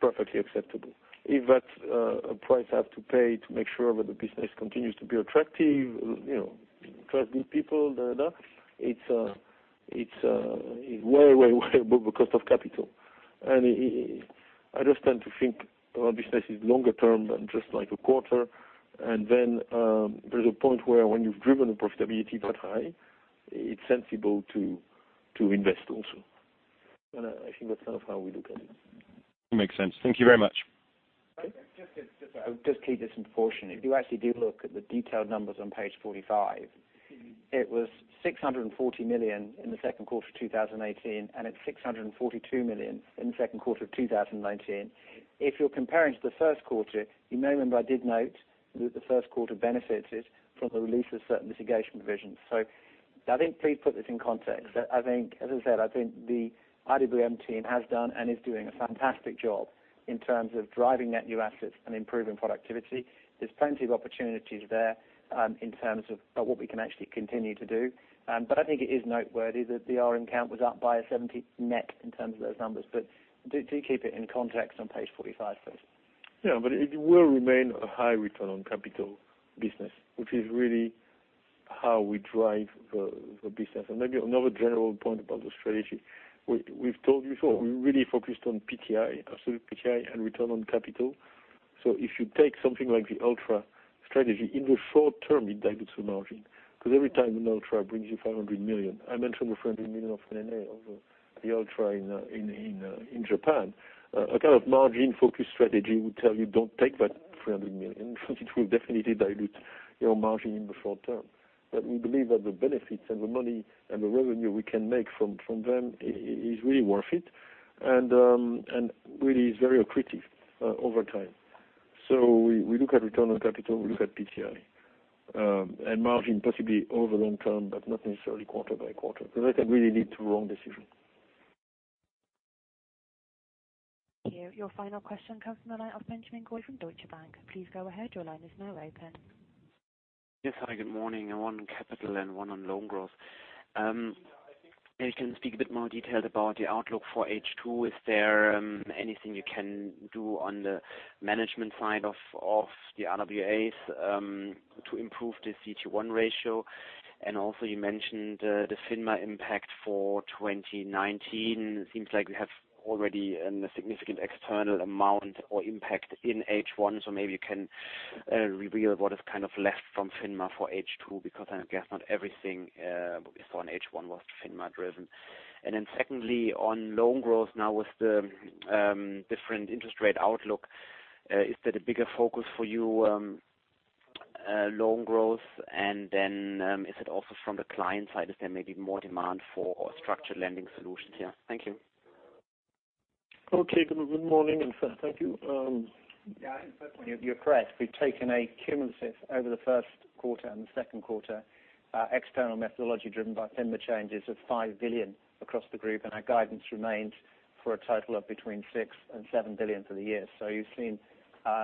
perfectly acceptable. If that's a price I have to pay to make sure that the business continues to be attractive, trust good people, da, da, it's way above the cost of capital. I just tend to think our business is longer term than just like a quarter, then there's a point where when you've driven the profitability that high, it's sensible to invest also. Actually that's kind of how we look at it. Makes sense. Thank you very much. Okay. Just to keep this in proportion, if you actually do look at the detailed numbers on page 45, it was 640 million in the second quarter of 2018, and it's 642 million in the second quarter of 2019. If you're comparing to the first quarter, you may remember I did note that the first quarter benefited from the release of certain mitigation provisions. I think please put this in context. As I said, I think the RWM team has done and is doing a fantastic job in terms of driving net new assets and improving productivity. There's plenty of opportunities there, in terms of what we can actually continue to do. I think it is noteworthy that the RM count was up by a 70 net in terms of those numbers. Do keep it in context on page 45 first. Yeah. It will remain a high return on capital business, which is really how we drive the business. Maybe another general point about the strategy, we've told you before, we really focused on PTI, absolute PTI, and return on capital. If you take something like the ultra strategy, in the short term, it dilutes the margin, because every time an ultra brings you 500 million, I mentioned the 300 million of NNA of the ultra in Japan. A kind of margin-focused strategy would tell you don't take that 300 million because it will definitely dilute your margin in the short term. We believe that the benefits and the money and the revenue we can make from them is really worth it, and really is very accretive over time. We look at return on capital, we look at PTI, and margin possibly over long term, but not necessarily quarter by quarter, because that can really lead to wrong decision. Thank you. Your final question comes from the line of Benjamin Coyle from Deutsche Bank. Please go ahead. Your line is now open. Yes. Hi, good morning. One on capital and one on loan growth. If you can speak a bit more detailed about the outlook for H2? Is there anything you can do on the management side of the RWAs to improve the CET1 ratio? Also you mentioned the FINMA impact for 2019. It seems like we have already a significant external amount or impact in H1, so maybe you can reveal what is left from FINMA for H2, because I guess not everything for an H1 was FINMA driven. Secondly, on loan growth now with the different interest rate outlook, is that a bigger focus for you, loan growth? Is it also from the client side, is there maybe more demand for structured lending solutions here? Thank you. Okay. Good morning, and thank you. Yeah. I think first point you're correct. We've taken a cumulative over the first quarter and the second quarter, external methodology driven by FINMA changes of 5 billion across the group, and our guidance remains for a total of between 6 billion and 7 billion for the year. You've seen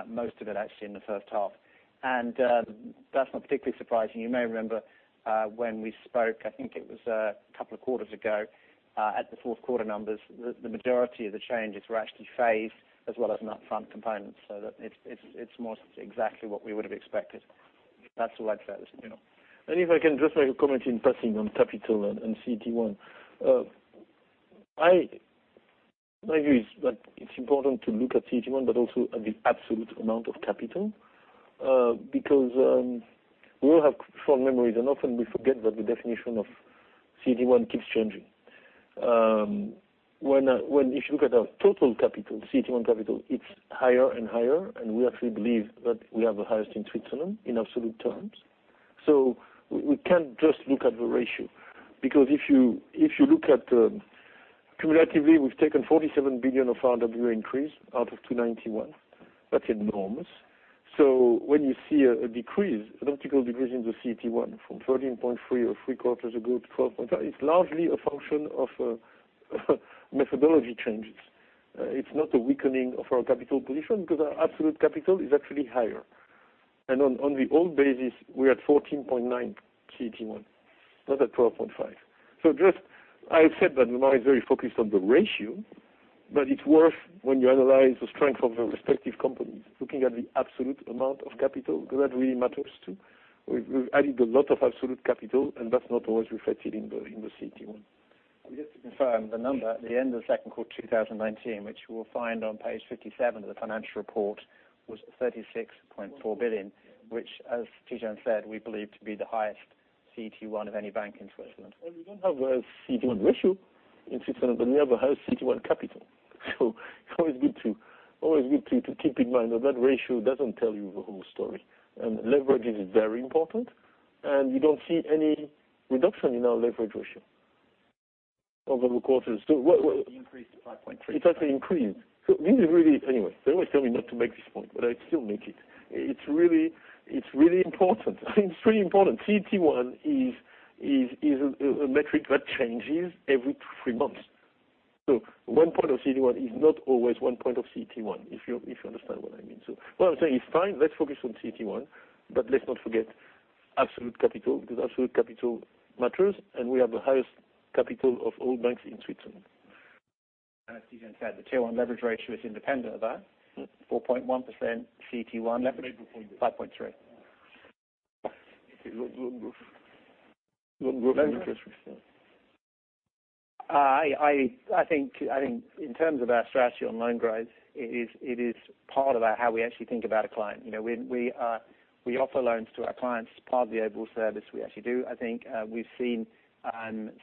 most of it actually in the first half. That's not particularly surprising. You may remember, when we spoke, I think it was a couple of quarters ago, at the fourth quarter numbers, the majority of the changes were actually phased as well as an upfront component. It's most exactly what we would've expected. That's all I'd say. If I can just make a comment in passing on capital and CET1. My view is that it's important to look at CET1 but also at the absolute amount of capital, because we all have short memories, and often we forget that the definition of CET1 keeps changing. If you look at our total capital, CET1 capital, it's higher and higher, and we actually believe that we have the highest in Switzerland in absolute terms. We can't just look at the ratio. If you look at the Cumulatively, we've taken 47 billion of RWA increase out of 291. That's enormous. When you see a decrease, a logical decrease in the CET1 from 13.3% or three quarters ago to 12.5%, it's largely a function of methodology changes. It's not a weakening of our capital position because our absolute capital is actually higher. On the old basis, we're at 14.9% CET1, not at 12.5%. I have said that the market is very focused on the ratio, but it's worth, when you analyze the strength of the respective companies, looking at the absolute amount of capital, because that really matters, too. We've added a lot of absolute capital, and that's not always reflected in the CET1. Just to confirm, the number at the end of the second quarter 2019, which you will find on page 57 of the financial report, was 36.4 billion, which as Tidjane said, we believe to be the highest CET1 of any bank in Switzerland. We don't have the highest CET1 ratio in Switzerland, but we have the highest CET1 capital. It's always good to keep in mind that that ratio doesn't tell you the whole story. Leverage is very important, and you don't see any reduction in our leverage ratio over the quarters. It increased to 5.3%. It actually increased. They always tell me not to make this point, but I still make it. It's really important. CET1 is a metric that changes every three months. One point of CET1 is not always one point of CET1, if you understand what I mean. What I'm saying is fine, let's focus on CET1, but let's not forget absolute capital, because absolute capital matters, and we have the highest capital of all banks in Switzerland. As Tidjane said, the Tier 1 leverage ratio is independent of that, 4.1% CET1 leverage. Made the point. Loan growth. 5.3%. I think in terms of our strategy on loan growth, it is part of our how we actually think about a client. We offer loans to our clients as part of the overall service we actually do. I think we've seen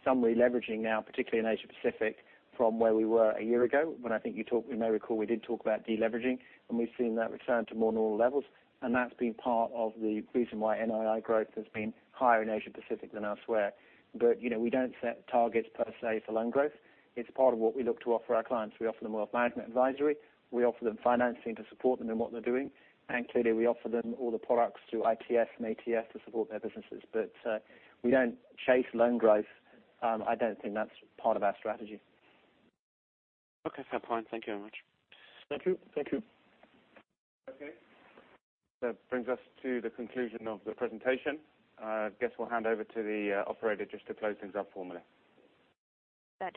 some releveraging now, particularly in Asia Pacific from where we were a year ago, when I think you may recall we did talk about deleveraging, and we've seen that return to more normal levels, and that's been part of the reason why NII growth has been higher in Asia Pacific than elsewhere. We don't set targets per se for loan growth. It's part of what we look to offer our clients. We offer them wealth management advisory. We offer them financing to support them in what they're doing. Clearly we offer them all the products through ITS and ATS to support their businesses. We don't chase loan growth. I don't think that's part of our strategy. Okay, fair point. Thank you very much. Thank you. Thank you. Okay. That brings us to the conclusion of the presentation. Guess we'll hand over to the operator just to close things up formally. That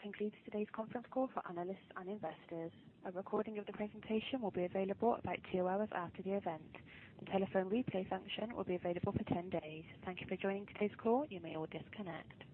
concludes today's conference call for analysts and investors. A recording of the presentation will be available about two hours after the event. The telephone replay function will be available for 10 days. Thank you for joining today's call. You may all disconnect.